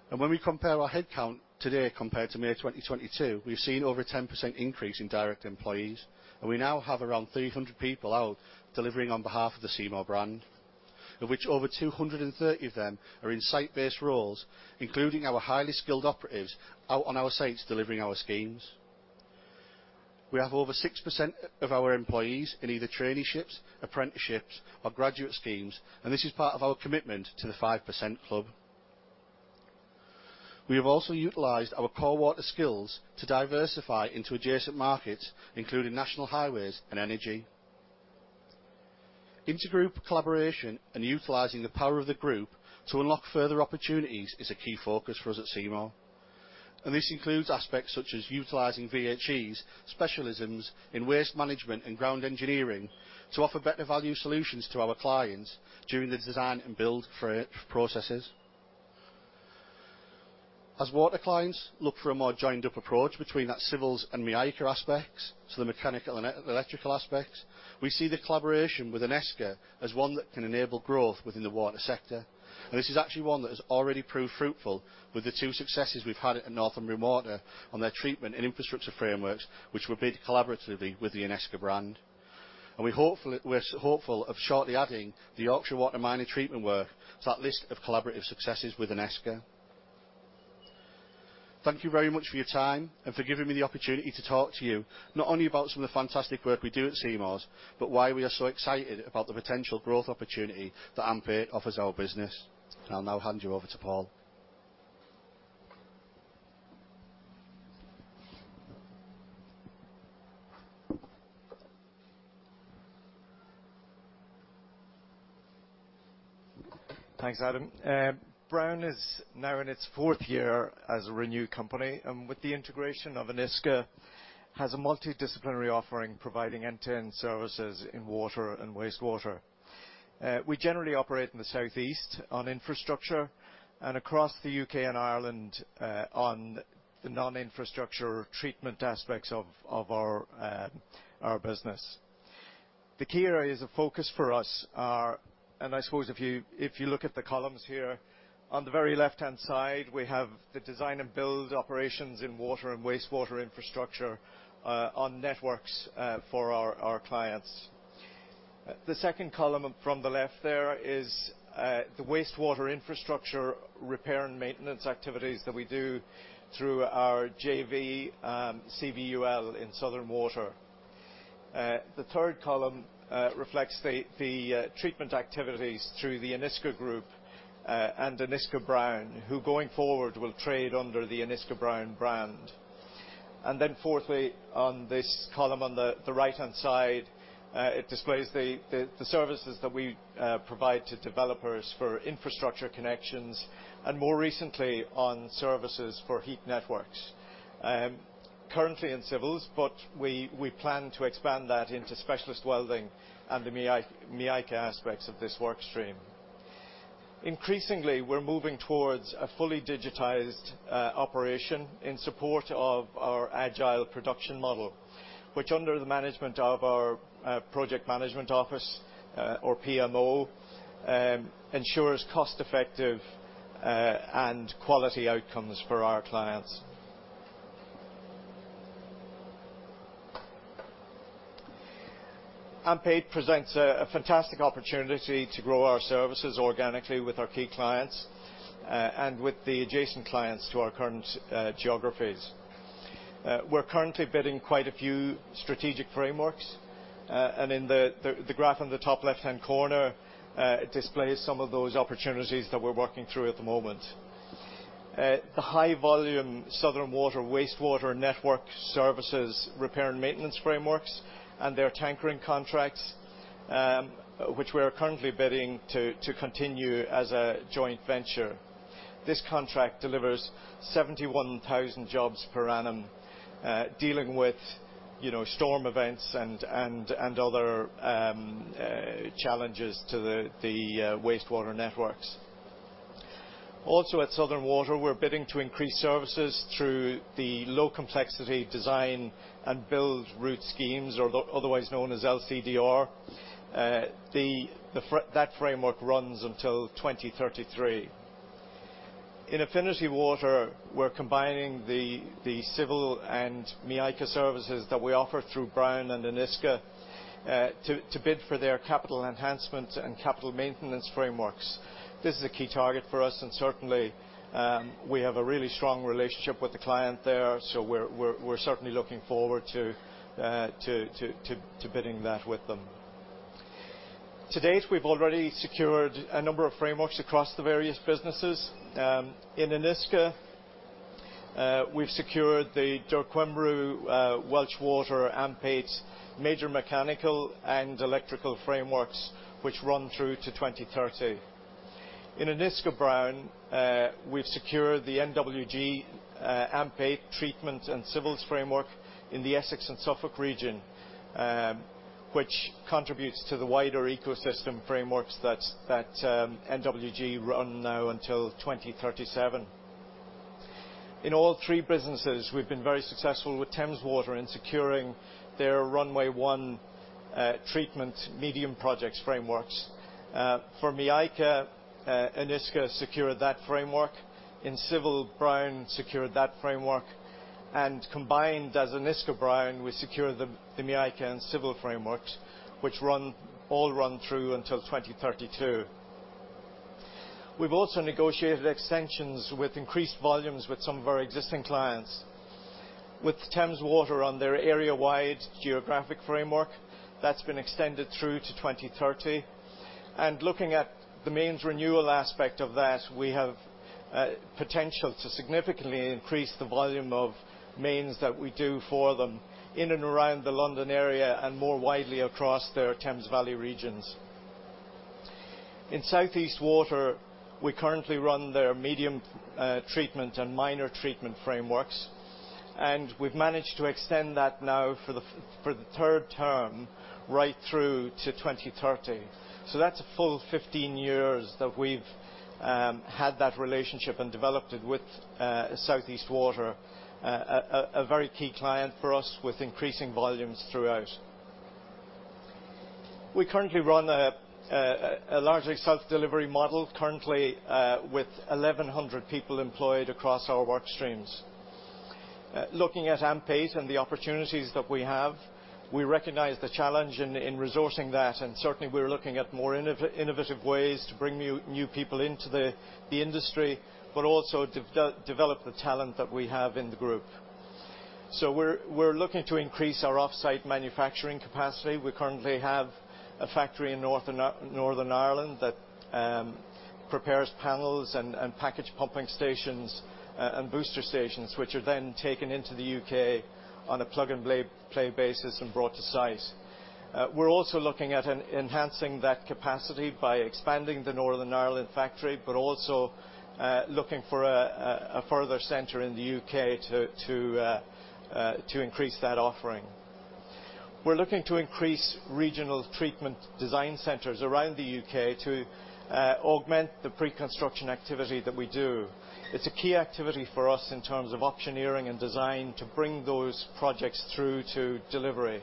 and when we compare our headcount today compared to May 2022, we've seen over a 10% increase in direct employees, and we now have around 300 people out delivering on behalf of the Seymour brand, of which over 230 of them are in site-based roles, including our highly skilled operatives out on our sites delivering our schemes. We have over 6% of our employees in either traineeships, apprenticeships, or graduate schemes, and this is part of our commitment to The 5% Club. We have also utilized our core water skills to diversify into adjacent markets, including National Highways and energy. Inter-group collaboration and utilizing the power of the group to unlock further opportunities is a key focus for us at Seymour, and this includes aspects such as utilizing VHE's specialisms in waste management and ground engineering to offer better value solutions to our clients during the design and build processes. As water clients look for a more joined-up approach between that civils and MEICA aspects to the mechanical and electrical aspects, we see the collaboration with Enisca as one that can enable growth within the water sector. And this is actually one that has already proved fruitful with the two successes we've had at Northumbrian Water on their treatment and infrastructure frameworks, which were bid collaboratively with the Enisca brand. We're hopeful of shortly adding the Yorkshire Water Minor Treatment Works to that list of collaborative successes with Enisca. Thank you very much for your time and for giving me the opportunity to talk to you, not only about some of the fantastic work we do at Seymour's, but why we are so excited about the potential growth opportunity that AMP8 offers our business. I'll now hand you over to Paul. Thanks, Adam. Browne is now in its fourth year as a Renew company, and with the integration of Enisca, has a multidisciplinary offering, providing end-to-end services in water and wastewater. We generally operate in the southeast on infrastructure and across the U.K. and Ireland on the non-infrastructure treatment aspects of our business. The key areas of focus for us are... I suppose if you look at the columns here, on the very left-hand side, we have the design and build operations in water and wastewater infrastructure on networks for our clients. The second column from the left there is the wastewater infrastructure, repair and maintenance activities that we do through our JV, CBUL in Southern Water. The third column reflects the treatment activities through the Enisca group, and Enisca Browne, who, going forward, will trade under the Enisca Browne brand. Then fourthly, on this column on the right-hand side, it displays the services that we provide to developers for infrastructure connections, and more recently on services for heat networks. Currently in civils, but we plan to expand that into specialist welding and the MEICA aspects of this work stream. Increasingly, we're moving towards a fully digitized operation in support of our agile production model, which under the management of our Project Management Office, or PMO, ensures cost-effective and quality outcomes for our clients. AMP8 presents a fantastic opportunity to grow our services organically with our key clients, and with the adjacent clients to our current geographies. We're currently bidding quite a few strategic frameworks, and in the graph on the top left-hand corner, displays some of those opportunities that we're working through at the moment. The high volume Southern Water Wastewater Network Services repair and maintenance frameworks and their tankering contracts, which we are currently bidding to continue as a joint venture. This contract delivers 71,000 jobs per annum, dealing with, you know, storm events and other challenges to the wastewater networks. Also, at Southern Water, we're bidding to increase services through the low complexity design and build route schemes or otherwise known as LCDR. That framework runs until 2033. In Affinity Water, we're combining the civil and MEICA services that we offer through Browne and Enisca, to bid for their capital enhancement and capital maintenance frameworks. This is a key target for us, and certainly, we have a really strong relationship with the client there, so we're certainly looking forward to bidding that with them. To date, we've already secured a number of frameworks across the various businesses. In Enisca, we've secured the Dŵr Cymru Welsh Water AMP8 major mechanical and electrical frameworks, which run through to 2030. In Enisca Browne, we've secured the NWG AMP8 treatment and civils framework in the Essex and Suffolk region, which contributes to the wider ecosystem frameworks that NWG run now until 2037. In all three businesses, we've been very successful with Thames Water in securing their Runway 1 treatment medium projects frameworks. For MEICA, Enisca secured that framework. In civil, Browne secured that framework, and combined as Enisca Browne, we secured the MEICA and civil frameworks, which all run through until 2032. We've also negotiated extensions with increased volumes with some of our existing clients. With Thames Water on their area-wide geographic framework, that's been extended through to 2030, and looking at the mains renewal aspect of that, we have potential to significantly increase the volume of mains that we do for them in and around the London area and more widely across their Thames Valley regions. In South East Water, we currently run their medium treatment and Minor Treatment Frameworks, and we've managed to extend that now for the third term, right through to 2030. So that's a full 15 years that we've had that relationship and developed it with South East Water, a very key client for us with increasing volumes throughout. We currently run a largely self-delivery model, currently, with 1,100 people employed across our work streams. Looking at AMP8 and the opportunities that we have, we recognize the challenge in resourcing that, and certainly we're looking at more innovative ways to bring new people into the industry, but also develop the talent that we have in the group. So we're looking to increase our offsite manufacturing capacity. We currently have a factory in Northern Ireland that prepares panels and package pumping stations and booster stations, which are then taken into the U.K. on a plug-and-play basis and brought to site. We're also looking at enhancing that capacity by expanding the Northern Ireland factory, but also looking for a further center in the U.K. to increase that offering. We're looking to increase regional treatment design centers around the U.K. to augment the pre-construction activity that we do. It's a key activity for us in terms of optioneering and design to bring those projects through to delivery.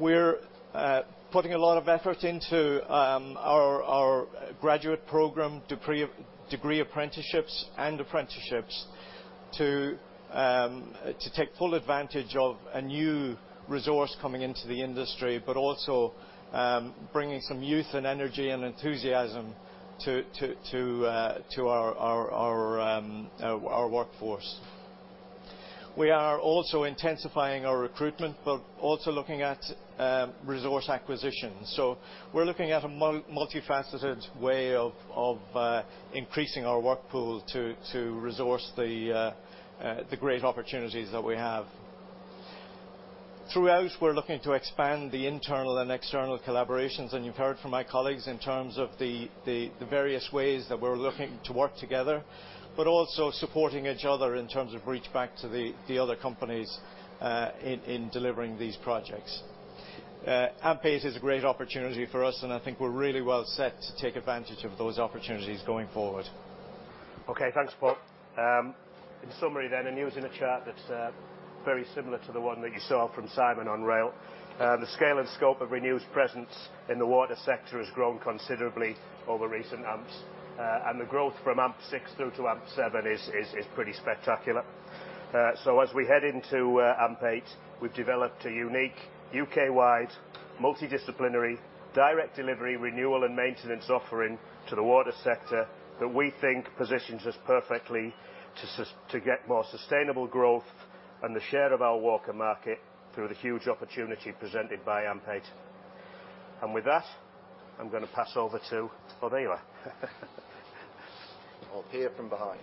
We're putting a lot of effort into our graduate program, degree apprenticeships and apprenticeships to take full advantage of a new resource coming into the industry, but also bringing some youth and energy and enthusiasm to our workforce. We are also intensifying our recruitment, but also looking at resource acquisition. So we're looking at a multifaceted way of increasing our work pool to resource the great opportunities that we have throughout. We're looking to expand the internal and external collaborations, and you've heard from my colleagues in terms of the various ways that we're looking to work together, but also supporting each other in terms of reach back to the other companies in delivering these projects. AMP8 is a great opportunity for us, and I think we're really well set to take advantage of those opportunities going forward. Okay, thanks, Paul. In summary then, and using a chart that's very similar to the one that you saw from Simon on rail. The scale and scope of Renew's presence in the water sector has grown considerably over recent AMPs, and the growth from AMP6 through to AMP7 is pretty spectacular. So as we head into AMP8, we've developed a unique, U.K.-wide, multidisciplinary, direct delivery, renewal, and maintenance offering to the water sector that we think positions us perfectly to get more sustainable growth and the share of our water market through the huge opportunity presented by AMP8. With that, I'm gonna pass over to Rob Phillips. I'll appear from behind.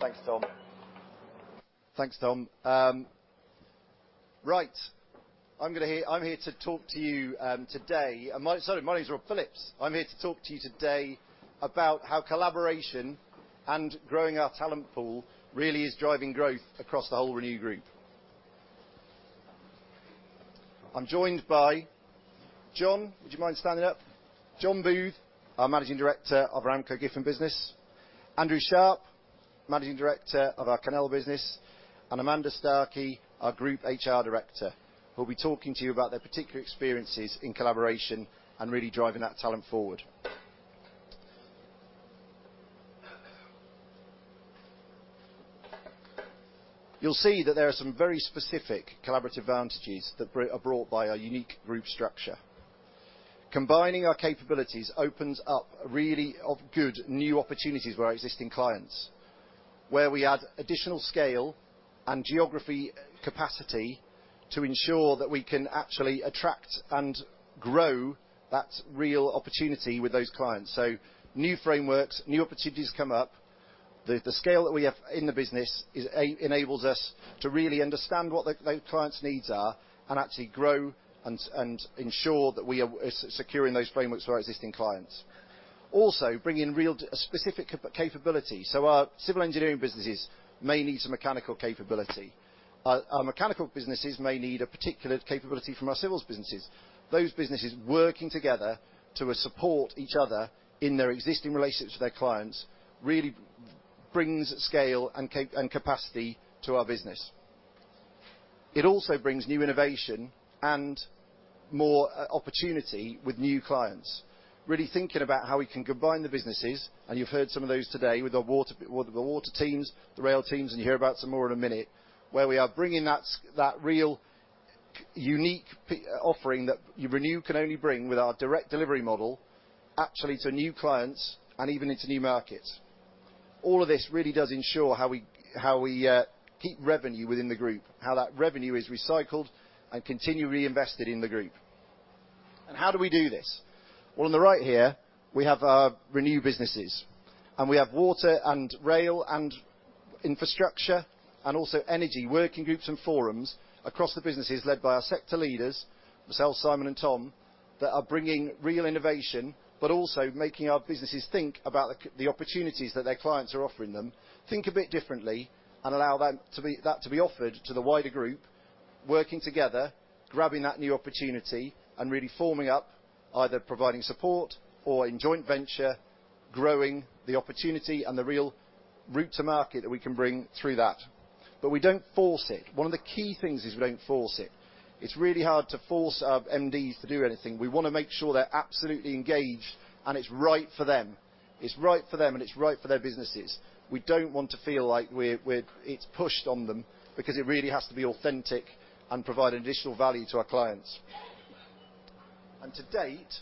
Thanks, Tom. Thanks, Tom. Right. I'm here to talk to you today. My name is Rob Phillips. I'm here to talk to you today about how collaboration and growing our talent pool really is driving growth across the whole Renew group. I'm joined by John. Would you mind standing up? John Booth, our Managing Director of our AmcoGiffen business. Andrew Sharp, Managing Director of our Carnell business, and Amanda Starkey, our Group HR Director, who'll be talking to you about their particular experiences in collaboration and really driving that talent forward. You'll see that there are some very specific collaborative advantages that are brought by our unique group structure. Combining our capabilities opens up really good new opportunities for our existing clients, where we add additional scale and geography capacity to ensure that we can actually attract and grow that real opportunity with those clients. So new frameworks, new opportunities come up. The scale that we have in the business enables us to really understand what the client's needs are and actually grow and ensure that we are securing those frameworks for our existing clients. Also, bring in real specific capability. So our civil engineering businesses may need some mechanical capability. Our mechanical businesses may need a particular capability from our civils businesses. Those businesses working together to support each other in their existing relationships with their clients really brings scale and capacity to our business. It also brings new innovation and more opportunity with new clients. Really thinking about how we can combine the businesses, and you've heard some of those today, with the water, with the water teams, the rail teams, and you'll hear about some more in a minute, where we are bringing that real unique offering that Renew can only bring with our direct delivery model, actually, to new clients and even into new markets. All of this really does ensure how we, how we, keep revenue within the group, how that revenue is recycled and continually invested in the group. And how do we do this? Well, on the right here, we have our Renew businesses, and we have water, and rail, and infrastructure, and also energy working groups and forums across the businesses led by our sector leaders, myself, Simon, and Tom, that are bringing real innovation, but also making our businesses think about the opportunities that their clients are offering them, think a bit differently, and allow that to be, that to be offered to the wider group, working together, grabbing that new opportunity, and really forming up, either providing support or in joint venture, growing the opportunity and the real route to market that we can bring through that. But we don't force it. One of the key things is we don't force it. It's really hard to force our MDs to do anything. We wanna make sure they're absolutely engaged, and it's right for them. It's right for them, and it's right for their businesses. We don't want to feel like it's pushed on them because it really has to be authentic and provide additional value to our clients. To date,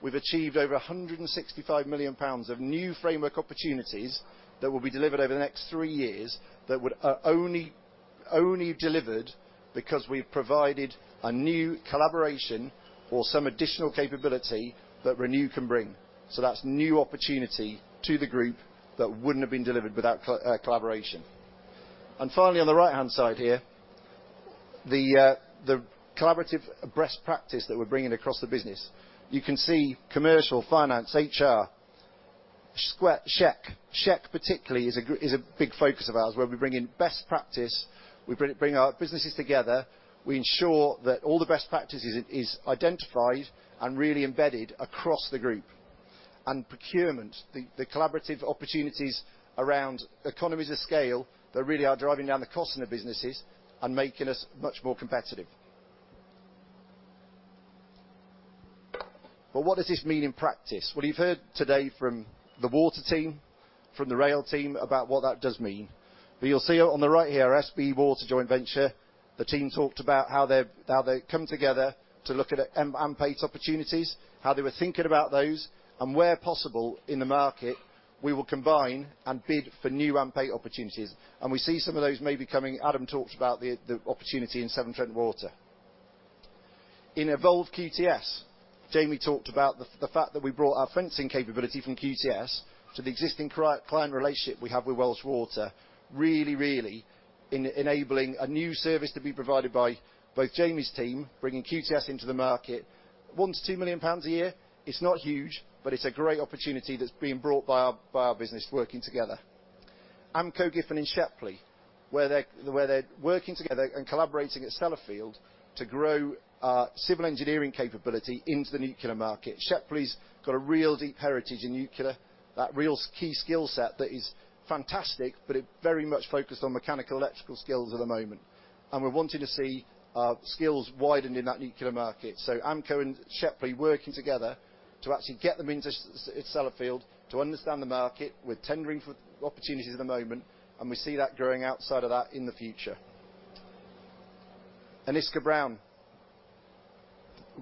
we've achieved over 165 million pounds of new framework opportunities that will be delivered over the next three years, that would only delivered because we've provided a new collaboration or some additional capability that Renew can bring. That's new opportunity to the group that wouldn't have been delivered without collaboration. Finally, on the right-hand side here, the collaborative best practice that we're bringing across the business. You can see commercial, finance, HR, SHEQ. SHEQ, particularly, is a big focus of ours, where we bring in best practice, we bring our businesses together, we ensure that all the best practices is identified and really embedded across the group. And procurement, the collaborative opportunities around economies of scale, that really are driving down the cost in the businesses and making us much more competitive. But what does this mean in practice? Well, you've heard today from the water team, from the rail team, about what that does mean. But you'll see on the right here, SB Water Joint Venture, the team talked about how they've come together to look at AMP8 opportunities, how they were thinking about those, and where possible in the market, we will combine and bid for new AMP8 opportunities. And we see some of those maybe coming. Adam talked about the opportunity in Severn Trent Water. In Envolve QTS, Jamie talked about the fact that we brought our fencing capability from QTS to the existing client relationship we have with Welsh Water, really enabling a new service to be provided by both Jamie's team, bringing QTS into the market. 1 million-2 million pounds a year, it's not huge, but it's a great opportunity that's being brought by our business working together. AmcoGiffen and Shepley, where they're working together and collaborating at Sellafield to grow our civil engineering capability into the nuclear market. Shepley's got a real deep heritage in nuclear, that real key skill set that is fantastic, but it very much focused on mechanical electrical skills at the moment, and we're wanting to see skills widened in that nuclear market. So Amco and Shepley working together to actually get them into Sellafield, to understand the market. We're tendering for opportunities at the moment, and we see that growing outside of that in the future. Enisca Browne.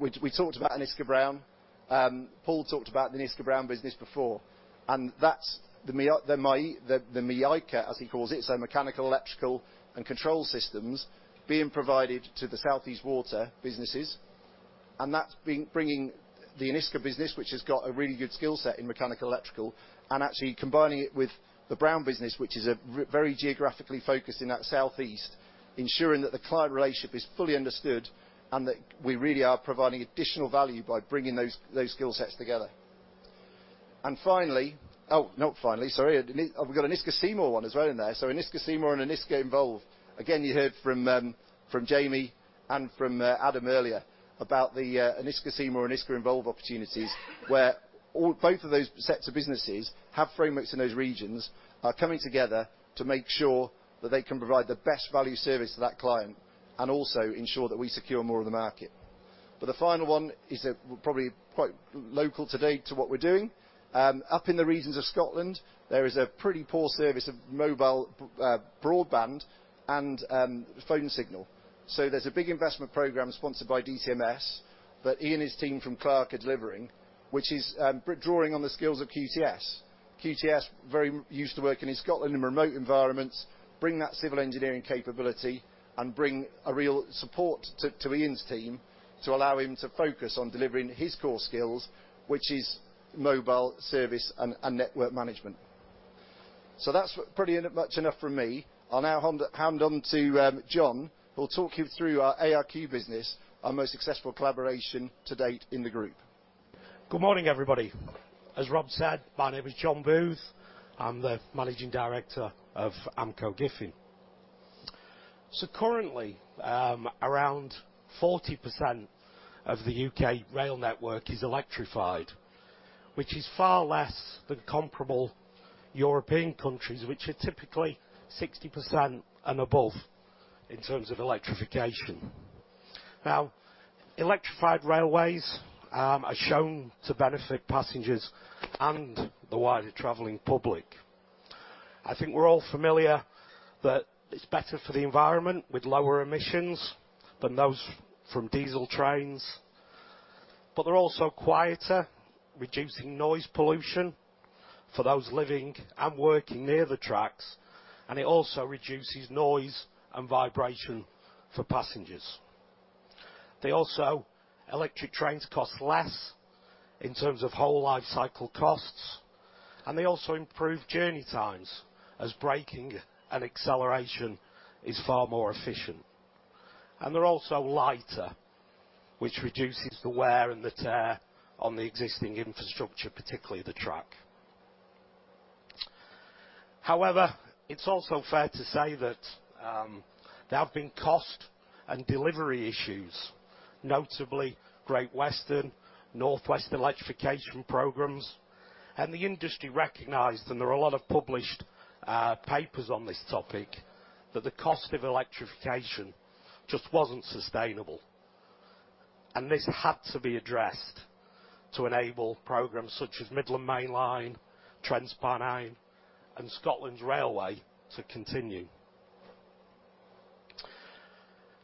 We talked about Enisca Browne. Paul talked about the Enisca Browne business before, and that's the MEICA, as he calls it, so mechanical, electrical, and control systems being provided to the South East Water businesses, and that's bringing the Enisca business, which has got a really good skill set in mechanical electrical, and actually combining it with the Browne business, which is a very geographically focused in that southeast, ensuring that the client relationship is fully understood, and that we really are providing additional value by bringing those skill sets together. And finally... Oh, not finally, sorry. I've got Enisca Seymour one as well in there. So Enisca Seymour and Enisca Envolve. Again, you heard from, from Jamie and from, Adam earlier about the, Enisca Seymour, Enisca Envolve opportunities, where all- both of those sets of businesses have frameworks in those regions, are coming together to make sure that they can provide the best value service to that client and also ensure that we secure more of the market. But the final one is, probably quite local today to what we're doing. Up in the regions of Scotland, there is a pretty poor service of mobile, broadband and, phone signal. So there's a big investment program sponsored by DCMS that Ian, his team from Clarke, are delivering, which is, drawing on the skills of QTS. QTS, very used to working in Scotland in remote environments, bring that civil engineering capability and bring a real support to Ian's team to allow him to focus on delivering his core skills, which is mobile service and network management. So that's pretty much enough from me. I'll now hand on to John, who will talk you through our ARQ business, our most successful collaboration to date in the group. Good morning, everybody. As Rob said, my name is John Booth. I'm the managing director of AmcoGiffen. So currently, around 40% of the U.K. rail network is electrified, which is far less than comparable European countries, which are typically 60% and above in terms of electrification. Now, electrified railways are shown to benefit passengers and the wider traveling public. I think we're all familiar that it's better for the environment, with lower emissions than those from diesel trains, but they're also quieter, reducing noise pollution for those living and working near the tracks, and it also reduces noise and vibration for passengers. Electric trains cost less in terms of whole lifecycle costs, and they also improve journey times, as braking and acceleration is far more efficient. They're also lighter, which reduces the wear and the tear on the existing infrastructure, particularly the track. However, it's also fair to say that, there have been cost and delivery issues, notably Great Western, North West electrification programs, and the industry recognized, and there are a lot of published, papers on this topic, that the cost of electrification just wasn't sustainable, and this had to be addressed to enable programs such as Midland Mainline, TransPennine, and Scotland's Railway to continue.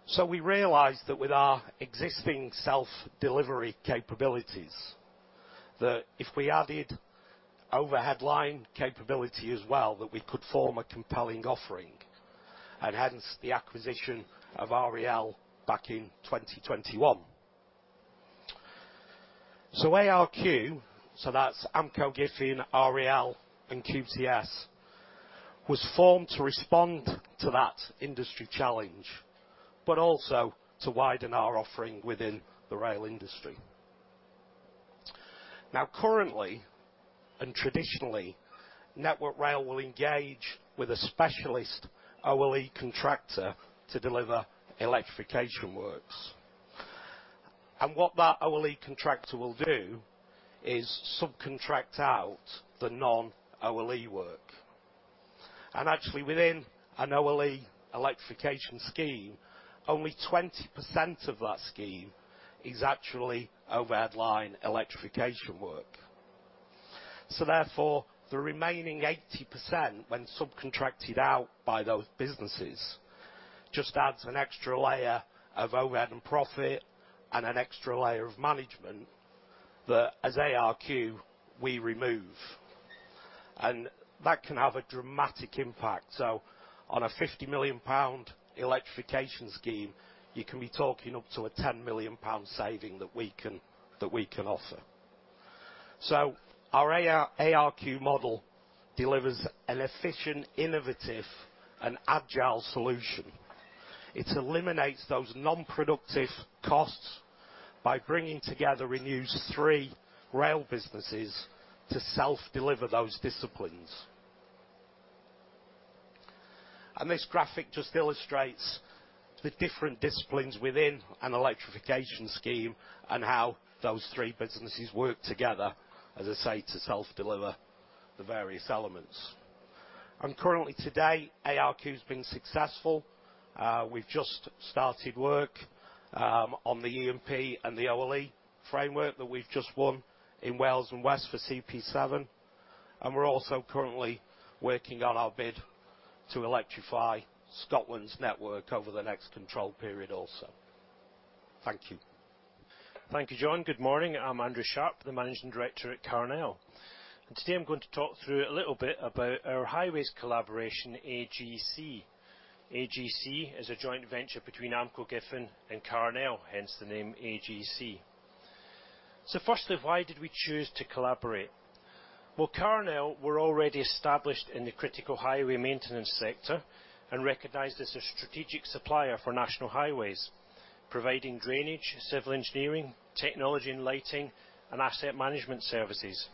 So we realized that with our existing self-delivery capabilities, that if we added overhead line capability as well, that we could form a compelling offering, and hence the acquisition of REL back in 2021. So ARQ, so that's AmcoGiffen, REL, and QTS, was formed to respond to that industry challenge, but also to widen our offering within the rail industry. Now currently, and traditionally, Network Rail will engage with a specialist OLE contractor to deliver electrification works. What that OLE contractor will do is subcontract out the non-OLE work. Actually, within an OLE electrification scheme, only 20% of that scheme is actually overhead line electrification work. So therefore, the remaining 80%, when subcontracted out by those businesses, just adds an extra layer of overhead and profit and an extra layer of management that, as ARQ, we remove, and that can have a dramatic impact. So on a 50 million pound electrification scheme, you can be talking up to a 10 million pound saving that we can, that we can offer. So our AR, ARQ model delivers an efficient, innovative, and agile solution. It eliminates those non-productive costs by bringing together in-house three rail businesses to self-deliver those disciplines. This graphic just illustrates the different disciplines within an electrification scheme and how those three businesses work together, as I say, to self-deliver the various elements. Currently today, ARQ has been successful. We've just started work on the E&P and the OLE framework that we've just won in Wales and West for CP7, and we're also currently working on our bid to electrify Scotland's network over the next control period also. Thank you. Thank you, John. Good morning. I'm Andrew Sharp, the managing director at Carnell, and today I'm going to talk through a little bit about our highways collaboration, AGC. AGC is a joint venture between AmcoGiffen and Carnell, hence the name AGC. So firstly, why did we choose to collaborate? Well, Carnell were already established in the critical highway maintenance sector and recognized as a strategic supplier for National Highways, providing drainage, civil engineering, technology and lighting, and asset management services.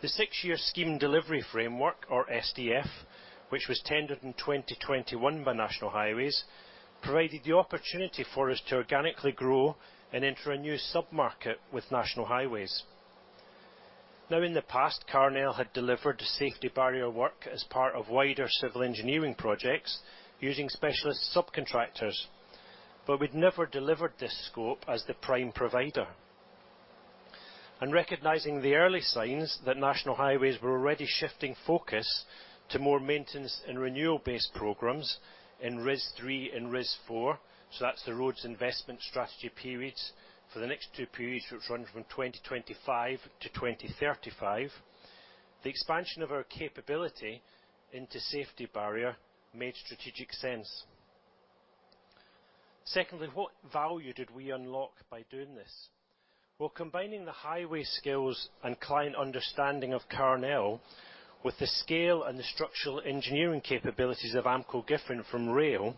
The six-year Scheme Delivery Framework, or SDF, which was tendered in 2021 by National Highways, provided the opportunity for us to organically grow and enter a new submarket with National Highways. Now, in the past, Carnell had delivered safety barrier work as part of wider civil engineering projects using specialist subcontractors, but we'd never delivered this scope as the prime provider. Recognizing the early signs that National Highways were already shifting focus to more maintenance and renewal-based programs in RIS 3 and RIS 4, so that's the Road Investment Strategy periods for the next two periods, which run from 2025 to 2035, the expansion of our capability into safety barrier made strategic sense. Secondly, what value did we unlock by doing this? Well, combining the highway skills and client understanding of Carnell with the scale and the structural engineering capabilities of AmcoGiffen from Rail,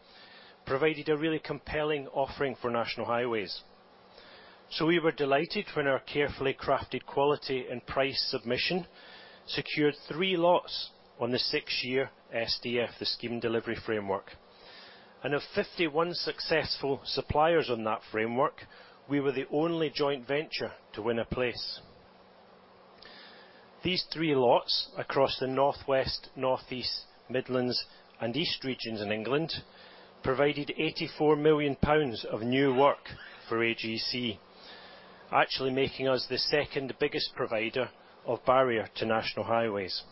provided a really compelling offering for National Highways. So we were delighted when our carefully crafted quality and price submission secured three lots on the six-year SDF, the Scheme Delivery Framework. And of 51 successful suppliers on that framework, we were the only joint venture to win a place. These three lots across the northwest, northeast, Midlands, and east regions in England provided 84 million pounds of new work for AGC, actually making us the second biggest provider of barrier to National Highways.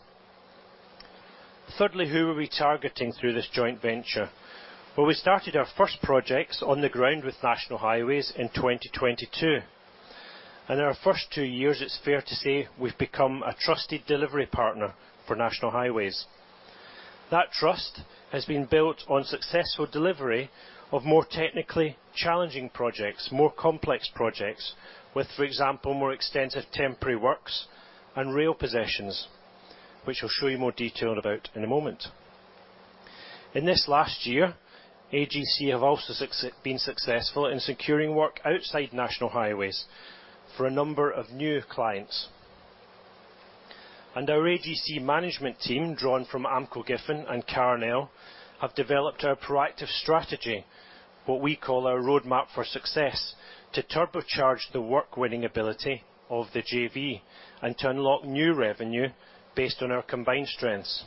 Thirdly, who are we targeting through this joint venture? Well, we started our first projects on the ground with National Highways in 2022, and in our first two years, it's fair to say we've become a trusted delivery partner for National Highways. That trust has been built on successful delivery of more technically challenging projects, more complex projects, with, for example, more extensive temporary works and rail possessions, which I'll show you more detail about in a moment. In this last year, AGC have also been successful in securing work outside National Highways for a number of new clients. Our AGC management team, drawn from AmcoGiffen and Carnell, have developed a proactive strategy, what we call our roadmap for success, to turbocharge the work-winning ability of the JV and to unlock new revenue based on our combined strengths.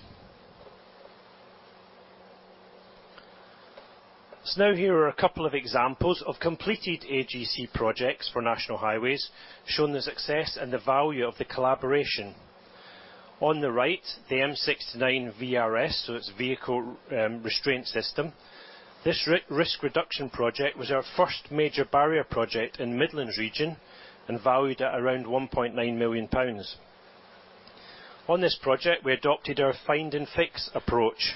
Now here are a couple of examples of completed AGC projects for National Highways, showing the success and the value of the collaboration. On the right, the M69 VRS, so it's Vehicle Restraint System. This risk reduction project was our first major barrier project in the Midlands region and valued at around 1.9 million pounds. On this project, we adopted our find and fix approach,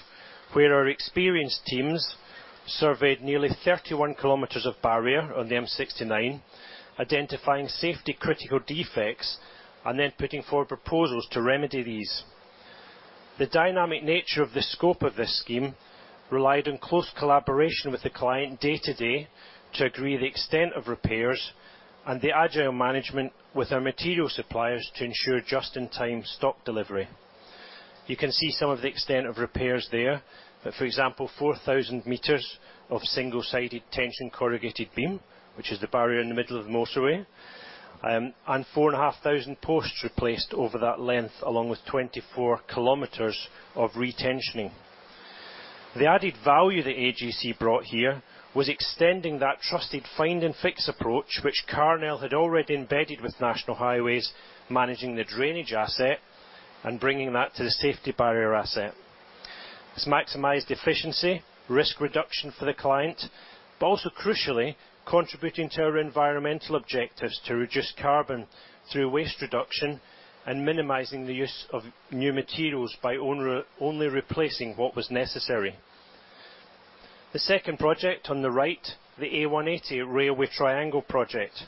where our experienced teams surveyed nearly 31 km of barrier on the M69, identifying safety critical defects and then putting forward proposals to remedy these. The dynamic nature of the scope of this scheme relied on close collaboration with the client day-to-day to agree the extent of repairs and the agile management with our material suppliers to ensure just-in-time stock delivery. You can see some of the extent of repairs there. For example, 4,000 m of single-sided tension corrugated beam, which is the barrier in the middle of the motorway, and 4,500 posts replaced over that length, along with 24 km of retensioning. The added value that AGC brought here was extending that trusted find and fix approach, which Carnell had already embedded with National Highways, managing the drainage asset and bringing that to the safety barrier asset. This maximized efficiency, risk reduction for the client, but also crucially, contributing to our environmental objectives to reduce carbon through waste reduction and minimizing the use of new materials by only replacing what was necessary. The second project on the right, the A180 Railway Triangle project.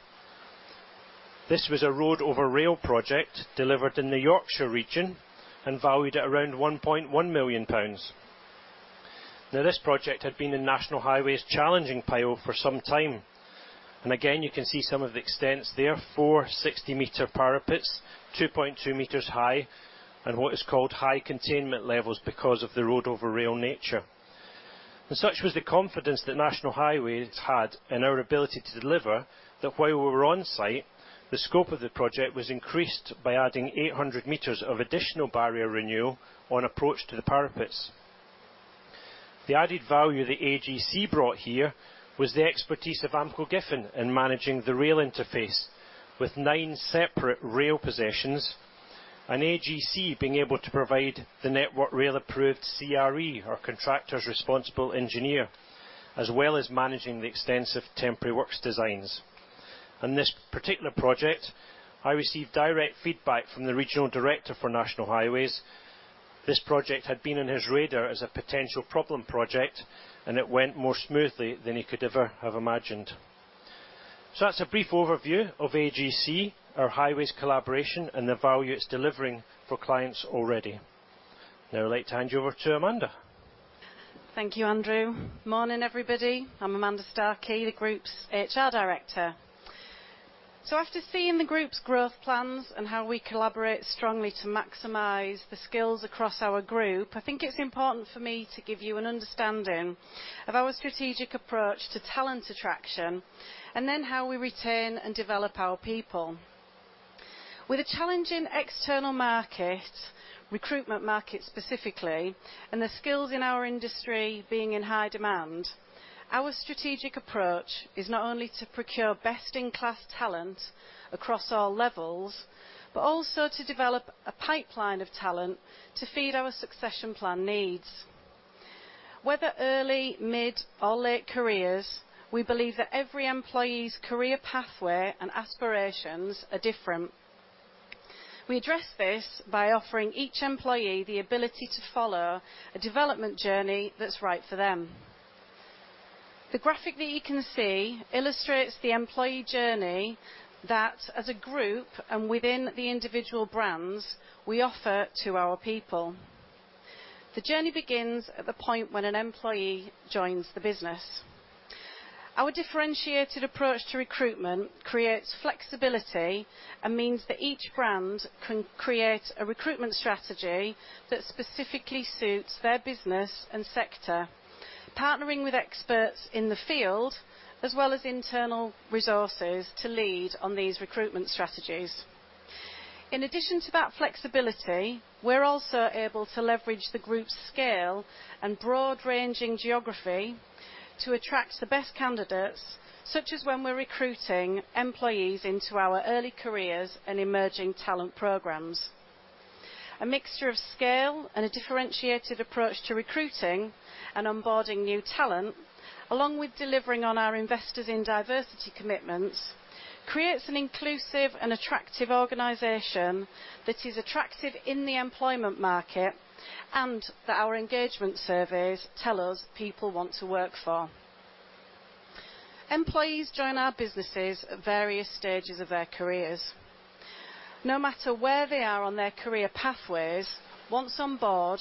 This was a road over rail project delivered in the Yorkshire region and valued at around 1.1 million pounds. Now, this project had been in National Highways challenging pile for some time, and again, you can see some of the extents there, four 60 m parapets, 2.2 m high, and what is called high containment levels because of the road over rail nature. Such was the confidence that National Highways had in our ability to deliver, that while we were on site, the scope of the project was increased by adding 800 m of additional barrier renewal on approach to the parapets. The added value the AGC brought here was the expertise of AmcoGiffen in managing the rail interface, with nine separate rail possessions and AGC being able to provide the Network Rail approved CRE, or Contractor's Responsible Engineer, as well as managing the extensive temporary works designs. On this particular project, I received direct feedback from the regional director for National Highways. This project had been on his radar as a potential problem project, and it went more smoothly than he could ever have imagined. That's a brief overview of AGC, our highways collaboration and the value it's delivering for clients already. Now I'd like to hand you over to Amanda. Thank you, Andrew. Morning, everybody. I'm Amanda Starkey, the Group's HR Director. After seeing the Group's growth plans and how we collaborate strongly to maximize the skills across our group, I think it's important for me to give you an understanding of our strategic approach to talent attraction, and then how we retain and develop our people. With a challenging external market, recruitment market specifically, and the skills in our industry being in high demand, our strategic approach is not only to procure best-in-class talent across all levels, but also to develop a pipeline of talent to feed our succession plan needs. Whether early, mid, or late careers, we believe that every employee's career pathway and aspirations are different. We address this by offering each employee the ability to follow a development journey that's right for them. The graphic that you can see illustrates the employee journey that as a group and within the individual brands, we offer to our people. The journey begins at the point when an employee joins the business. Our differentiated approach to recruitment creates flexibility and means that each brand can create a recruitment strategy that specifically suits their business and sector, partnering with experts in the field, as well as internal resources to lead on these recruitment strategies. In addition to that flexibility, we're also able to leverage the group's scale and broad-ranging geography to attract the best candidates, such as when we're recruiting employees into our early careers and emerging talent programs. A mixture of scale and a differentiated approach to recruiting and onboarding new talent, along with delivering on our Investors in Diversity commitments, creates an inclusive and attractive organization that is attractive in the employment market, and that our engagement surveys tell us people want to work for. Employees join our businesses at various stages of their careers. No matter where they are on their career pathways, once on board,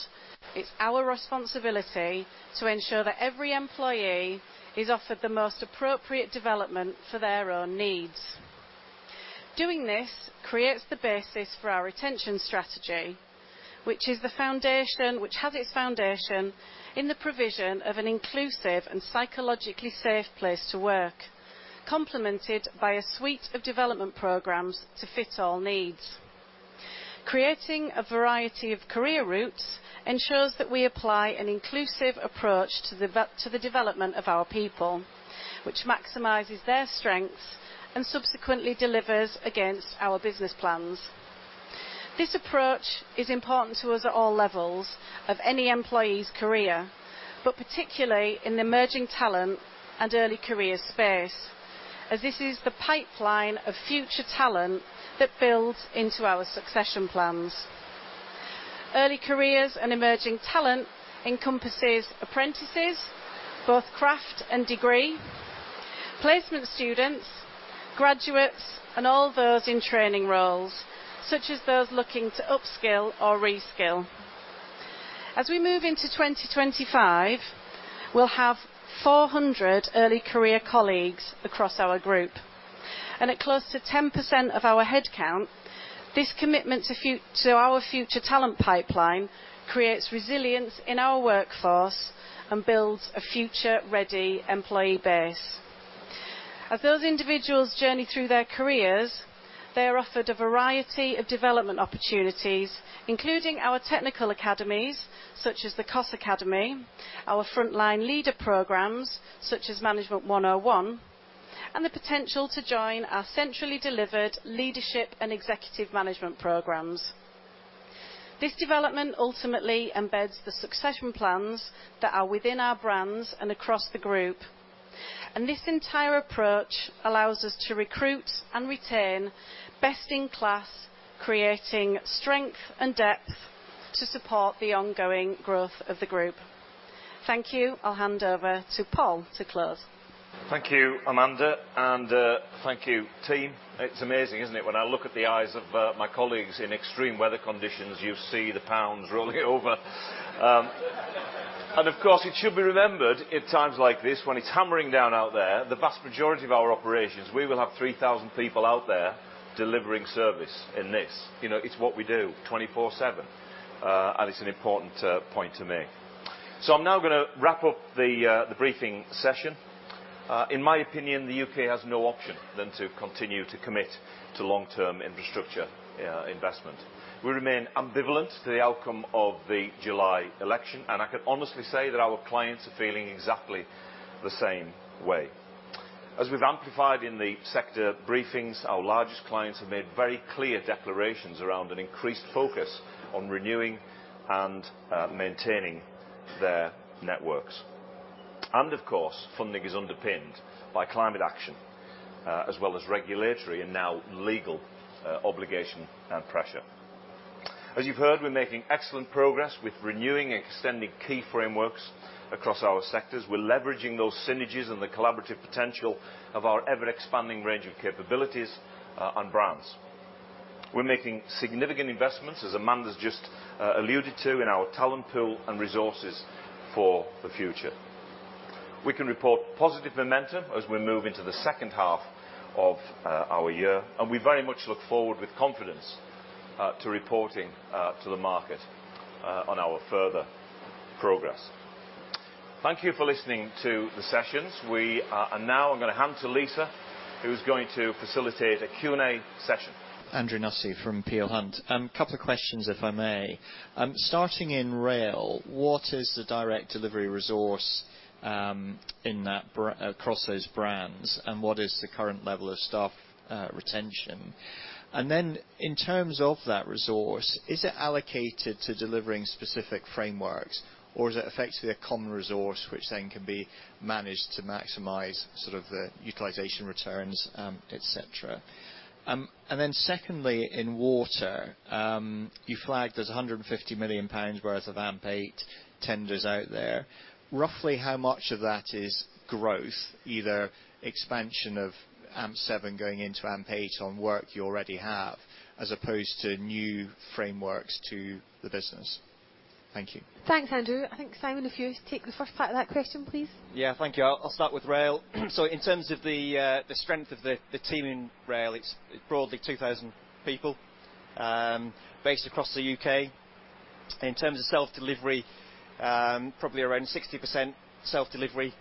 it's our responsibility to ensure that every employee is offered the most appropriate development for their own needs. Doing this creates the basis for our retention strategy, which has its foundation in the provision of an inclusive and psychologically safe place to work, complemented by a suite of development programs to fit all needs. Creating a variety of career routes ensures that we apply an inclusive approach to the development of our people, which maximizes their strengths and subsequently delivers against our business plans. This approach is important to us at all levels of any employee's career, but particularly in the emerging talent and early career space, as this is the pipeline of future talent that builds into our succession plans. Early careers and emerging talent encompasses apprentices, both craft and degree, placement students, graduates, and all those in training roles, such as those looking to upskill or reskill. As we move into 2025, we'll have 400 early career colleagues across our group, and at close to 10% of our headcount, this commitment to our future talent pipeline creates resilience in our workforce and builds a future-ready employee base. As those individuals journey through their careers, they are offered a variety of development opportunities, including our technical academies, such as the Cost Academy, our frontline leader programs, such as Management 101-... and the potential to join our centrally delivered leadership and executive management programs. This development ultimately embeds the succession plans that are within our brands and across the group, and this entire approach allows us to recruit and retain best-in-class, creating strength and depth to support the ongoing growth of the group. Thank you. I'll hand over to Paul to close. Thank you, Amanda, and, thank you, team. It's amazing, isn't it? When I look at the eyes of, my colleagues in extreme weather conditions, you see the pounds rolling over. And of course, it should be remembered at times like this, when it's hammering down out there, the vast majority of our operations, we will have 3,000 people out there delivering service in this. You know, it's what we do 24/7. And it's an important, point to make. So I'm now gonna wrap up the, the briefing session. In my opinion, the U.K. has no option than to continue to commit to long-term infrastructure, investment. We remain ambivalent to the outcome of the July election, and I can honestly say that our clients are feeling exactly the same way. As we've amplified in the sector briefings, our largest clients have made very clear declarations around an increased focus on renewing and maintaining their networks. Of course, funding is underpinned by climate action as well as regulatory and now legal obligation and pressure. As you've heard, we're making excellent progress with renewing and extending key frameworks across our sectors. We're leveraging those synergies and the collaborative potential of our ever-expanding range of capabilities and brands. We're making significant investments, as Amanda's just alluded to, in our talent pool and resources for the future. We can report positive momentum as we move into the second half of our year, and we very much look forward with confidence to reporting to the market on our further progress. Thank you for listening to the sessions. I'm now gonna hand to Lisa, who's going to facilitate a Q&A session. Andrew Nussey from Peel Hunt. A couple of questions, if I may. Starting in rail, what is the direct delivery resource in that across those brands, and what is the current level of staff retention? And then, in terms of that resource, is it allocated to delivering specific frameworks, or is it effectively a common resource, which then can be managed to maximize sort of the utilization returns, et cetera? And then secondly, in water, you flagged there's 150 million pounds worth of AMP8 tenders out there. Roughly how much of that is growth, either expansion of AMP7 going into AMP8 on work you already have, as opposed to new frameworks to the business? Thank you. Thanks, Andrew. I think, Simon, if you take the first part of that question, please. Yeah, thank you. I'll start with rail. So in terms of the strength of the team in rail, it's broadly 2,000 people, based across the U.K.. In terms of self-delivery, probably around 60% self-delivery,